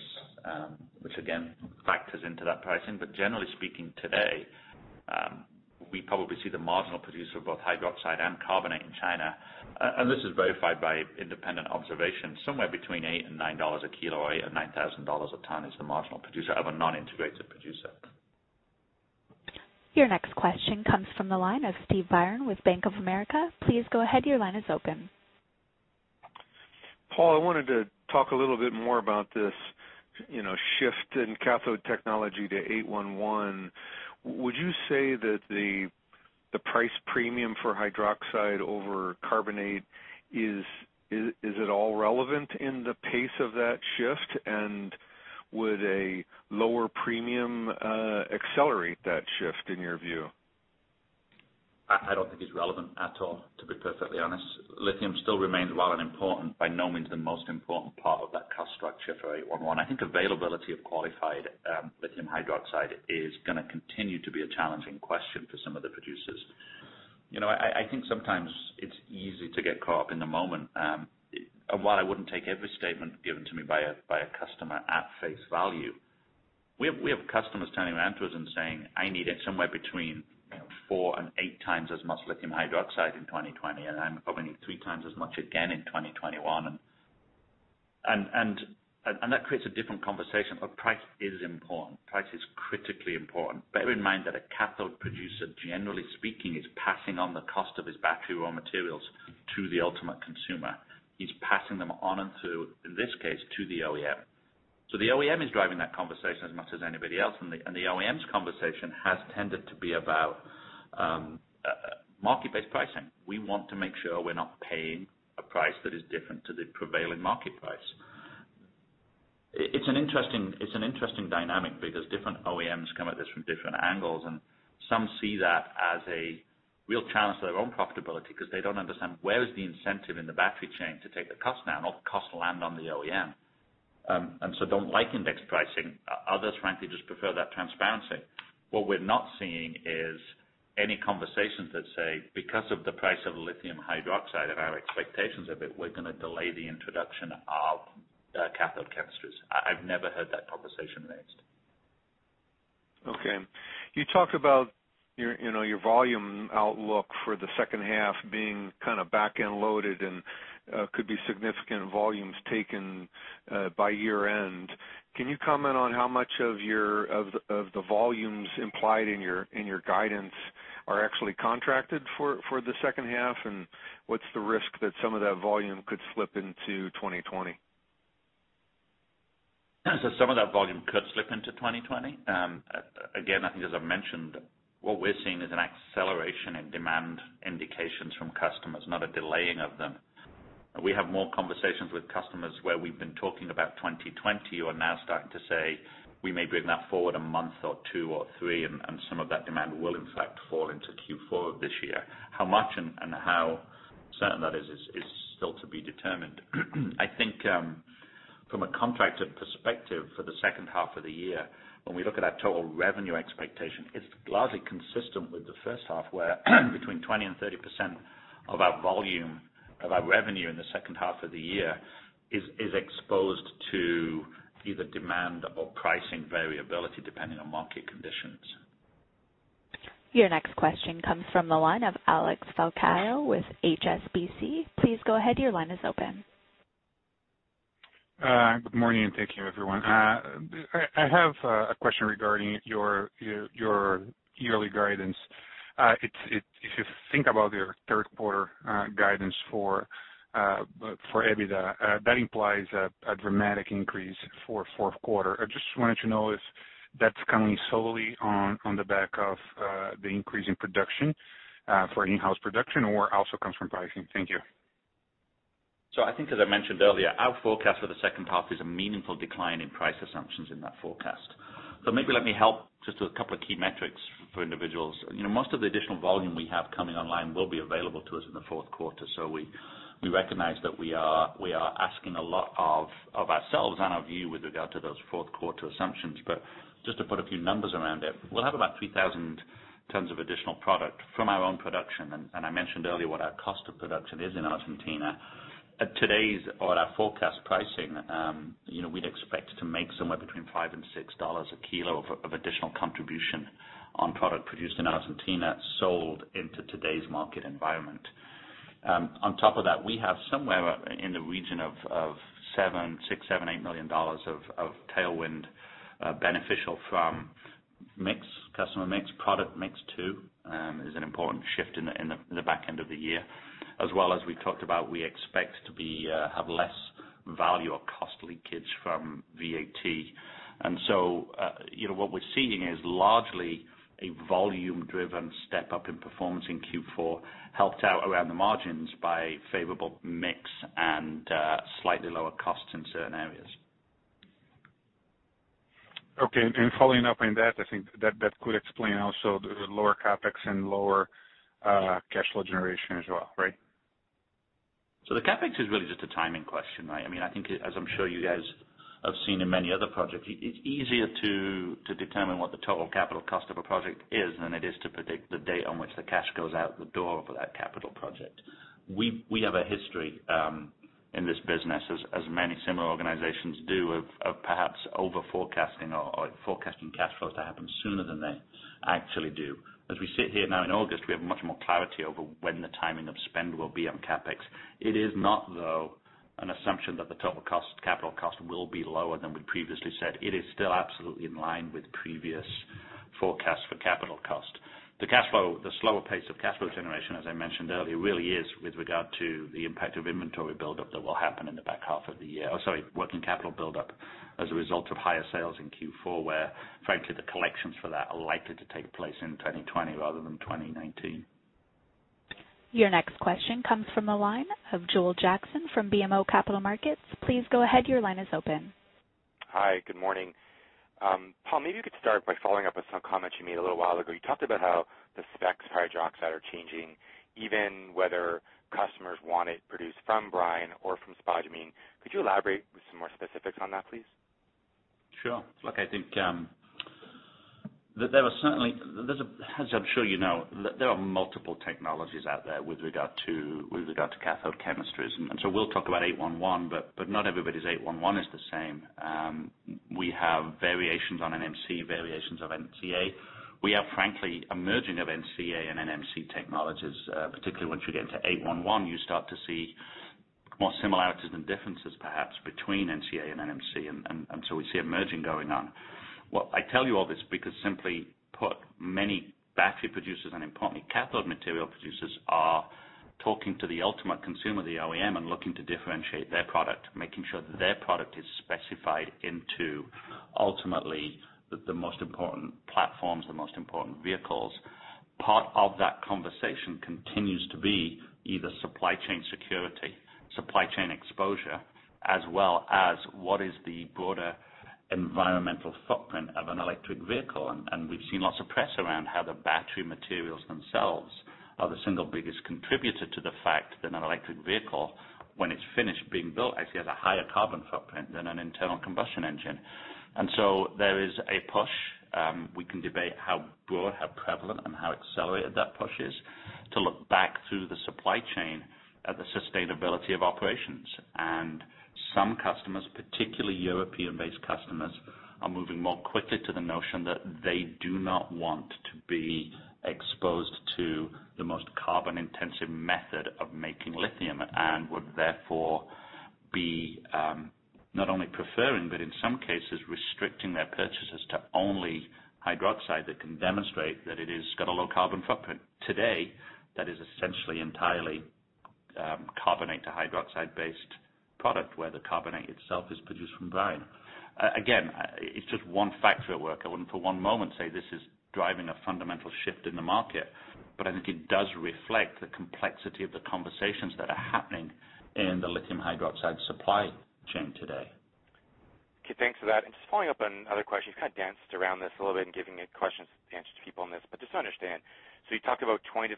S3: which again factors into that pricing. Generally speaking, today, we probably see the marginal producer of both hydroxide and carbonate in China, and this is verified by independent observation, somewhere between $8 and $9 a kilo or $8,000 or $9,000 a ton is the marginal producer of a non-integrated producer.
S1: Your next question comes from the line of Steve Byrne with Bank of America. Please go ahead, your line is open.
S10: Paul, I wanted to talk a little bit more about this shift in cathode technology to 811. Would you say that the price premium for hydroxide over carbonate, is it all relevant in the pace of that shift? Would a lower premium accelerate that shift in your view?
S3: I don't think it's relevant at all, to be perfectly honest. Lithium still remains well and important, by no means the most important part of that cost structure for 811. I think availability of qualified lithium hydroxide is going to continue to be a challenging question for some of the producers. I think sometimes it's easy to get caught up in the moment. While I wouldn't take every statement given to me by a customer at face value, we have customers turning around to us and saying, "I need it somewhere between four and eight times as much lithium hydroxide in 2020, and I probably need three times as much again in 2021." That creates a different conversation. Price is important. Price is critically important. Bear in mind that a cathode producer, generally speaking, is passing on the cost of his battery raw materials to the ultimate consumer. He's passing them on to, in this case, the OEM. The OEM is driving that conversation as much as anybody else, and the OEM's conversation has tended to be about market-based pricing. We want to make sure we're not paying a price that is different to the prevailing market price. It's an interesting dynamic because different OEMs come at this from different angles, and some see that as a real challenge to their own profitability because they don't understand where is the incentive in the battery chain to take the cost now, not the cost land on the OEM. Don't like index pricing. Others, frankly, just prefer that transparency. What we're not seeing is any conversations that say, because of the price of lithium hydroxide and our expectations of it, we're going to delay the introduction of cathode chemistries. I've never heard that conversation raised.
S10: Okay. You talked about your volume outlook for the second half being kind of back-end loaded and could be significant volumes taken by year-end. Can you comment on how much of the volumes implied in your guidance are actually contracted for the second half, and what's the risk that some of that volume could slip into 2020?
S3: Some of that volume could slip into 2020. I think as I mentioned, what we're seeing is an acceleration in demand indications from customers, not a delaying of them. We have more conversations with customers where we've been talking about 2020 who are now starting to say, "We may bring that forward a month or two or three," and some of that demand will in fact fall into Q4 of this year. How much and how certain that is still to be determined. I think from a contracted perspective for the second half of the year, when we look at our total revenue expectation, it's largely consistent with the first half, where between 20% and 30% of our volume of our revenue in the second half of the year is exposed to either demand or pricing variability, depending on market conditions.
S1: Your next question comes from the line of Alexandre Falcão with HSBC. Please go ahead, your line is open.
S11: Good morning. Thank you, everyone. I have a question regarding your yearly guidance. If you think about your third quarter guidance for EBITDA, that implies a dramatic increase for fourth quarter. I just wanted to know if that's coming solely on the back of the increase in production for in-house production or also comes from pricing. Thank you.
S3: I think as I mentioned earlier, our forecast for the second half is a meaningful decline in price assumptions in that forecast. Maybe let me help just with a couple of key metrics for individuals. Most of the additional volume we have coming online will be available to us in the fourth quarter. We recognize that we are asking a lot of ourselves and our view with regard to those fourth quarter assumptions, but just to put a few numbers around it, we will have about 3,000 tons of additional product from our own production, and I mentioned earlier what our cost of production is in Argentina. At today's or our forecast pricing, we'd expect to make somewhere between $5 and $6 a kilo of additional contribution on product produced in Argentina sold into today's market environment. On top of that, we have somewhere in the region of $6 million-$8 million of tailwind beneficial from customer mix, product mix too, is an important shift in the back end of the year. As well as we talked about, we expect to have less value or cost leakage from VAT. What we're seeing is largely a volume-driven step up in performance in Q4, helped out around the margins by favorable mix and slightly lower costs in certain areas.
S11: Okay. Following up on that, I think that could explain also the lower CapEx and lower cash flow generation as well, right?
S3: The CapEx is really just a timing question. I think as I'm sure you guys have seen in many other projects, it's easier to determine what the total capital cost of a project is than it is to predict the date on which the cash goes out the door for that capital project. We have a history in this business as many similar organizations do of perhaps over-forecasting or forecasting cash flows to happen sooner than they actually do. As we sit here now in August, we have much more clarity over when the timing of spend will be on CapEx. It is not, though, an assumption that the total capital cost will be lower than we previously said. It is still absolutely in line with previous forecasts for capital cost. The slower pace of cash flow generation, as I mentioned earlier, really is with regard to the impact of inventory buildup that will happen in the back half of the year. Sorry, working capital buildup as a result of higher sales in Q4, where frankly, the collections for that are likely to take place in 2020 rather than 2019.
S1: Your next question comes from the line of Joel Jackson from BMO Capital Markets. Please go ahead. Your line is open.
S12: Hi. Good morning. Paul, maybe you could start by following up with some comments you made a little while ago. You talked about how the specs hydroxide are changing, even whether customers want it produced from brine or from spodumene. Could you elaborate with some more specifics on that, please?
S3: Sure. Look, I think that there are certainly, as I'm sure you know, there are multiple technologies out there with regard to cathode chemistries. We'll talk about 811, but not everybody's 811 is the same. We have variations on NMC, variations of NCA. We have, frankly, a merging of NCA and NMC technologies. Particularly once you get into 811, you start to see more similarities than differences, perhaps, between NCA and NMC. We see a merging going on. I tell you all this because simply put, many battery producers and importantly, cathode material producers, are talking to the ultimate consumer, the OEM, and looking to differentiate their product, making sure that their product is specified into ultimately the most important platforms, the most important vehicles. Part of that conversation continues to be either supply chain security, supply chain exposure, as well as what is the broader environmental footprint of an electric vehicle. We've seen lots of press around how the battery materials themselves are the single biggest contributor to the fact that an electric vehicle, when it's finished being built, actually has a higher carbon footprint than an internal combustion engine. There is a push, we can debate how broad, how prevalent, and how accelerated that push is, to look back through the supply chain at the sustainability of operations. Some customers, particularly European-based customers, are moving more quickly to the notion that they do not want to be exposed to the most carbon-intensive method of making lithium and would therefore be not only preferring, but in some cases restricting their purchases to only hydroxide that can demonstrate that it has got a low carbon footprint. Today, that is essentially entirely carbonate to hydroxide-based product where the carbonate itself is produced from brine. Again, it's just one factor at work. I wouldn't for one moment say this is driving a fundamental shift in the market, but I think it does reflect the complexity of the conversations that are happening in the lithium hydroxide supply chain today.
S12: Okay, thanks for that. Just following up on other questions, you kind of danced around this a little bit in giving questions, answers to people on this. Just so I understand, you talked about 20%-30%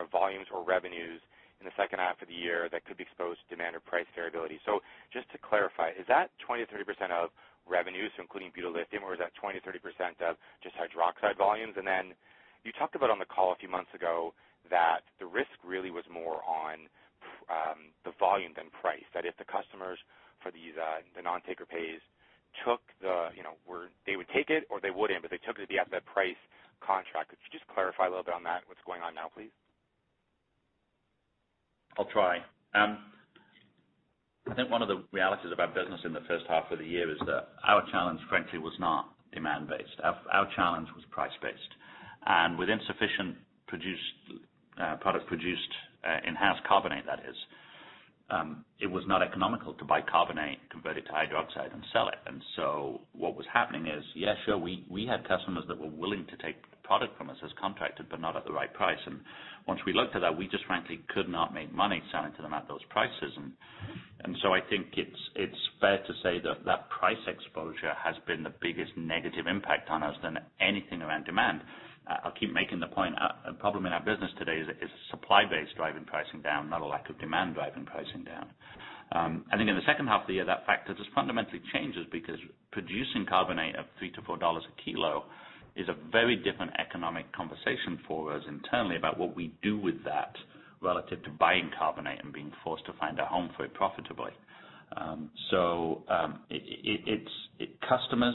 S12: of volumes or revenues in the second half of the year that could be exposed to demand or price variability. Just to clarify, is that 20%-30% of revenue, so including butyllithium, or is that 20%-30% of just hydroxide volumes? Then you talked about on the call a few months ago that the risk really was more on the volume than price. That if the customers for the non-taker pays took the, they would take it or they wouldn't, but they took it at the asset price contract. Could you just clarify a little bit on that, what's going on now, please?
S3: I'll try. I think one of the realities of our business in the first half of the year is that our challenge, frankly, was not demand-based. Our challenge was price-based. With insufficient product produced in-house, carbonate, that is, it was not economical to buy carbonate, convert it to hydroxide and sell it. What was happening is, yeah, sure, we had customers that were willing to take product from us as contracted, but not at the right price. Once we looked at that, we just frankly could not make money selling to them at those prices. I think it's fair to say that that price exposure has been the biggest negative impact on us than anything around demand. I'll keep making the point, a problem in our business today is supply based, driving pricing down, not a lack of demand driving pricing down. I think in the second half of the year, that factor just fundamentally changes because producing carbonate of $3 to $4 a kilo is a very different economic conversation for us internally about what we do with that relative to buying carbonate and being forced to find a home for it profitably. It's customers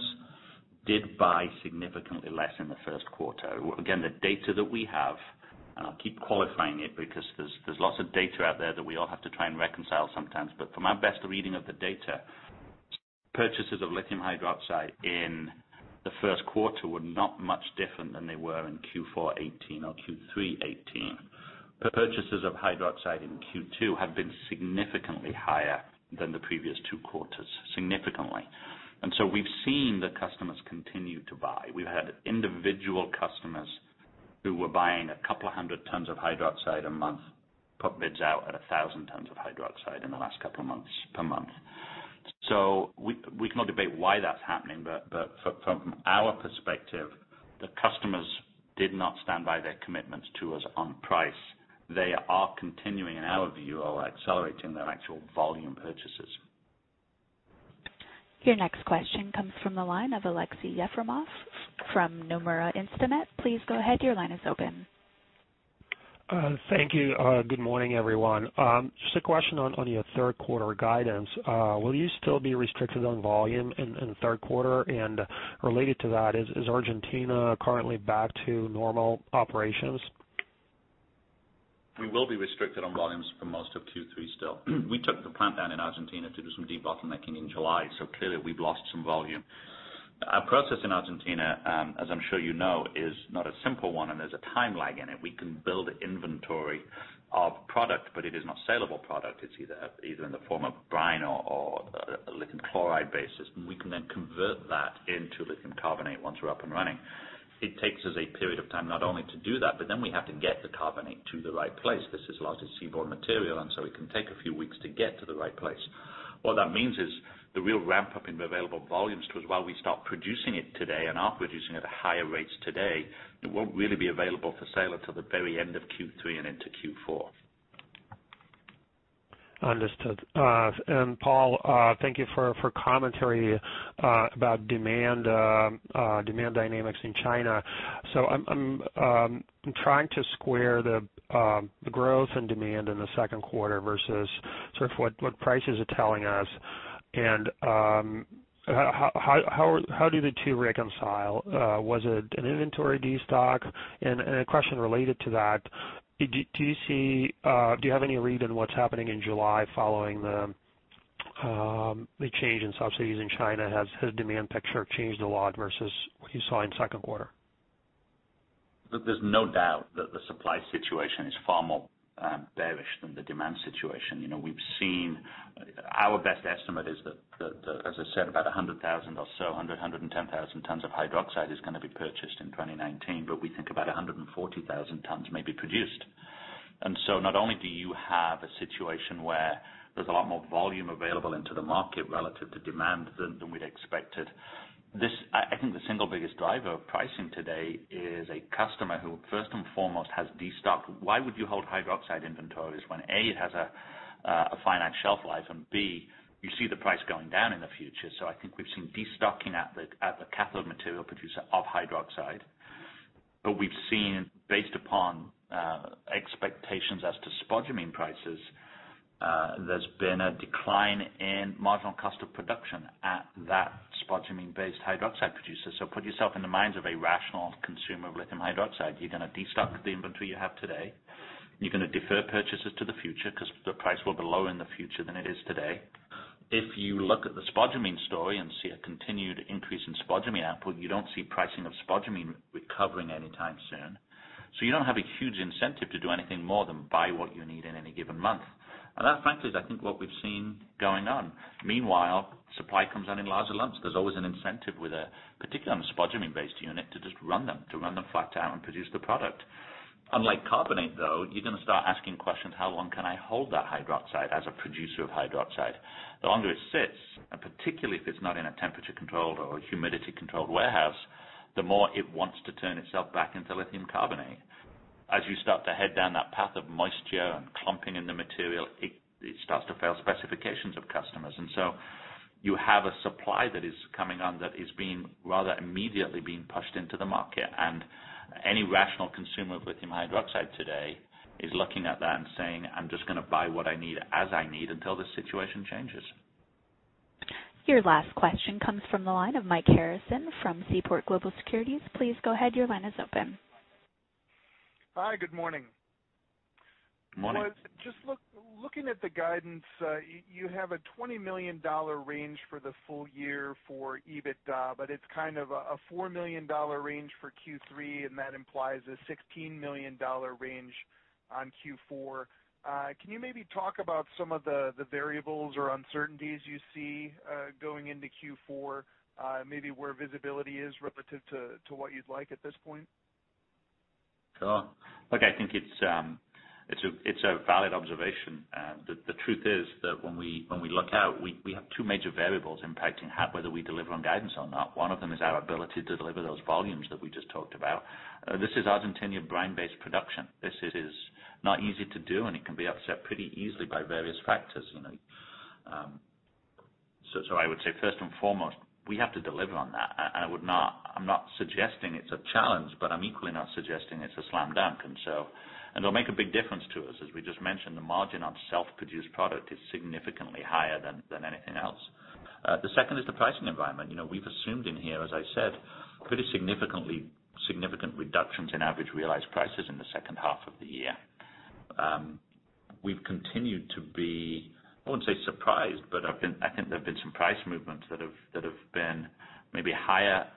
S3: did buy significantly less in the first quarter. Again, the data that we have, and I'll keep qualifying it because there's lots of data out there that we all have to try and reconcile sometimes, but from our best reading of the data, purchases of lithium hydroxide in the first quarter were not much different than they were in Q4 2018 or Q3 2018. Purchases of hydroxide in Q2 have been significantly higher than the previous two quarters. Significantly. We've seen the customers continue to buy. We've had individual customers who were buying a couple of hundred tons of hydroxide a month, put bids out at 1,000 tons of hydroxide in the last couple of months, per month. We can all debate why that's happening. From our perspective, the customers did not stand by their commitments to us on price. They are continuing, in our view, or accelerating their actual volume purchases.
S1: Your next question comes from the line of Aleksey Yefremov from Nomura Instinet. Please go ahead. Your line is open.
S13: Thank you. Good morning, everyone. Just a question on your third quarter guidance. Will you still be restricted on volume in the third quarter? Related to that is Argentina currently back to normal operations?
S3: We will be restricted on volumes for most of Q3 still. We took the plant down in Argentina to do some debottlenecking in July, so clearly we've lost some volume. Our process in Argentina, as I'm sure you know, is not a simple one and there's a time lag in it. We can build inventory of product, but it is not saleable product. It's either in the form of brine or a lithium chloride basis. We can then convert that into lithium carbonate once we're up and running. It takes us a period of time not only to do that, but then we have to get the carbonate to the right place. This is largely seaborne material, it can take a few weeks to get to the right place. What that means is the real ramp up in available volumes to us while we start producing it today and are producing it at higher rates today, it won't really be available for sale until the very end of Q3 and into Q4.
S13: Understood. Paul, thank you for commentary about demand dynamics in China. I'm trying to square the growth and demand in the second quarter versus sort of what prices are telling us and how do the two reconcile? Was it an inventory destock? A question related to that, do you have any read on what's happening in July following the change in subsidies in China? Has demand picture changed a lot versus what you saw in second quarter?
S3: There's no doubt that the supply situation is far more bearish than the demand situation. Our best estimate is that, as I said, about 100,000 or so, 110,000 tons of hydroxide is going to be purchased in 2019, but we think about 140,000 tons may be produced. Not only do you have a situation where there's a lot more volume available into the market relative to demand than we'd expected, I think the single biggest driver of pricing today is a customer who first and foremost has destocked. Why would you hold hydroxide inventories when, A, it has a finite shelf life, and B, you see the price going down in the future. I think we've seen destocking at the cathode material producer of hydroxide. We've seen based upon expectations as to spodumene prices, there's been a decline in marginal cost of production at that spodumene-based hydroxide producer. Put yourself in the minds of a rational consumer of lithium hydroxide. You're going to destock the inventory you have today. You're going to defer purchases to the future because the price will be lower in the future than it is today. If you look at the spodumene story and see a continued increase in spodumene output, you don't see pricing of spodumene recovering anytime soon. You don't have a huge incentive to do anything more than buy what you need in any given month. That, frankly, is I think what we've seen going on. Meanwhile, supply comes out in larger lumps. There's always an incentive with a, particularly on the spodumene-based unit, to just run them, to run them flat out and produce the product. Unlike carbonate, though, you're going to start asking questions, how long can I hold that hydroxide as a producer of hydroxide? The longer it sits, and particularly if it's not in a temperature-controlled or humidity-controlled warehouse, the more it wants to turn itself back into lithium carbonate. As you start to head down that path of moisture and clumping in the material, it starts to fail specifications of customers. You have a supply that is coming on that is being rather immediately being pushed into the market. Any rational consumer of lithium hydroxide today is looking at that and saying, "I'm just going to buy what I need as I need until the situation changes.
S1: Your last question comes from the line of Mike Harrison from Seaport Global Securities. Please go ahead. Your line is open.
S14: Hi, good morning.
S3: Morning.
S14: Just looking at the guidance, you have a $20 million range for the full year for EBITDA, but it's kind of a $4 million range for Q3, and that implies a $16 million range on Q4. Can you maybe talk about some of the variables or uncertainties you see going into Q4, maybe where visibility is relative to what you'd like at this point?
S3: Sure. Look, I think it's a valid observation. The truth is that when we look out, we have two major variables impacting whether we deliver on guidance or not. One of them is our ability to deliver those volumes that we just talked about. This is Argentina brine-based production. This is not easy to do, and it can be upset pretty easily by various factors. I would say first and foremost, we have to deliver on that. I'm not suggesting it's a challenge, but I'm equally not suggesting it's a slam dunk. It'll make a big difference to us. As we just mentioned, the margin on self-produced product is significantly higher than anything else. The second is the pricing environment. We've assumed in here, as I said, pretty significant reductions in average realized prices in the second half of the year. We've continued to be, I wouldn't say surprised, but I think there have been some price movements that have been maybe higher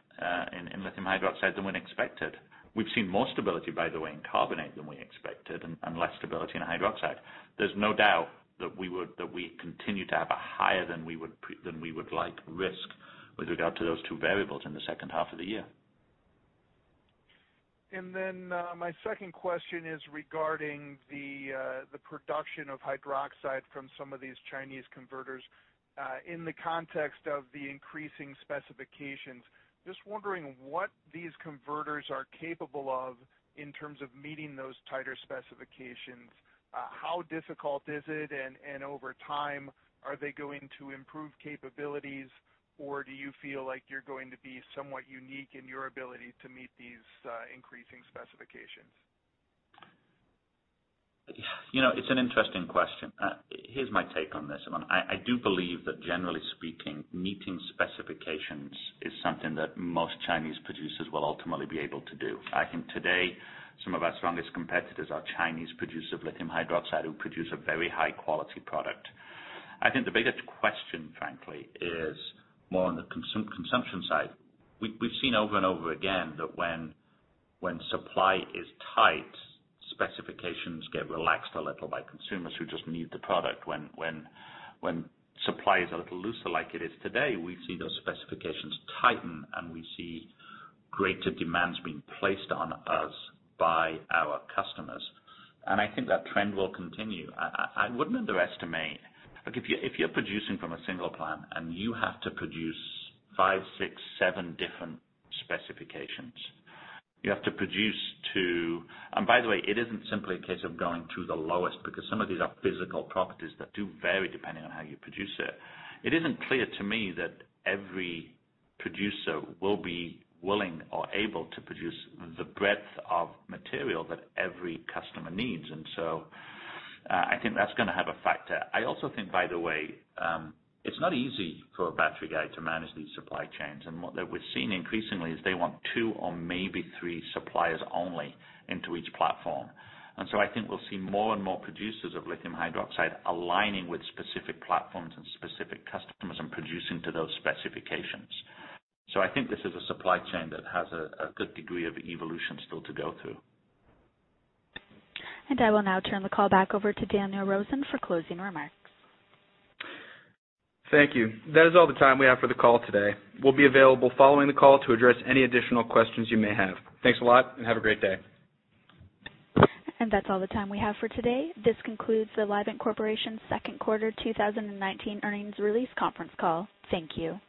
S3: in lithium hydroxide than we'd expected. We've seen more stability, by the way, in lithium carbonate than we expected and less stability in lithium hydroxide. There's no doubt that we continue to have a higher than we would like risk with regard to those two variables in the second half of the year.
S14: My second question is regarding the production of hydroxide from some of these Chinese converters in the context of the increasing specifications. Just wondering what these converters are capable of in terms of meeting those tighter specifications. How difficult is it, and over time, are they going to improve capabilities, or do you feel like you're going to be somewhat unique in your ability to meet these increasing specifications?
S3: It's an interesting question. Here's my take on this. I do believe that generally speaking, meeting specifications is something that most Chinese producers will ultimately be able to do. I think today some of our strongest competitors are Chinese producers of lithium hydroxide who produce a very high-quality product. I think the bigger question, frankly, is more on the consumption side. We've seen over and over again that when supply is tight, specifications get relaxed a little by consumers who just need the product. When supply is a little looser like it is today, we see those specifications tighten, and we see greater demands being placed on us by our customers. I think that trend will continue. I wouldn't underestimate. If you're producing from a single plant and you have to produce five, six, seven different specifications you have to produce to. By the way, it isn't simply a case of going to the lowest because some of these are physical properties that do vary depending on how you produce it. It isn't clear to me that every producer will be willing or able to produce the breadth of material that every customer needs. I think that's going to have a factor. I also think, by the way, it's not easy for a battery guy to manage these supply chains. What we've seen increasingly is they want two or maybe three suppliers only into each platform. I think we'll see more and more producers of lithium hydroxide aligning with specific platforms and specific customers and producing to those specifications. I think this is a supply chain that has a good degree of evolution still to go through.
S1: I will now turn the call back over to Daniel Rosen for closing remarks.
S2: Thank you. That is all the time we have for the call today. We'll be available following the call to address any additional questions you may have. Thanks a lot and have a great day.
S1: That's all the time we have for today. This concludes the Livent Corporation second quarter 2019 earnings release conference call. Thank you.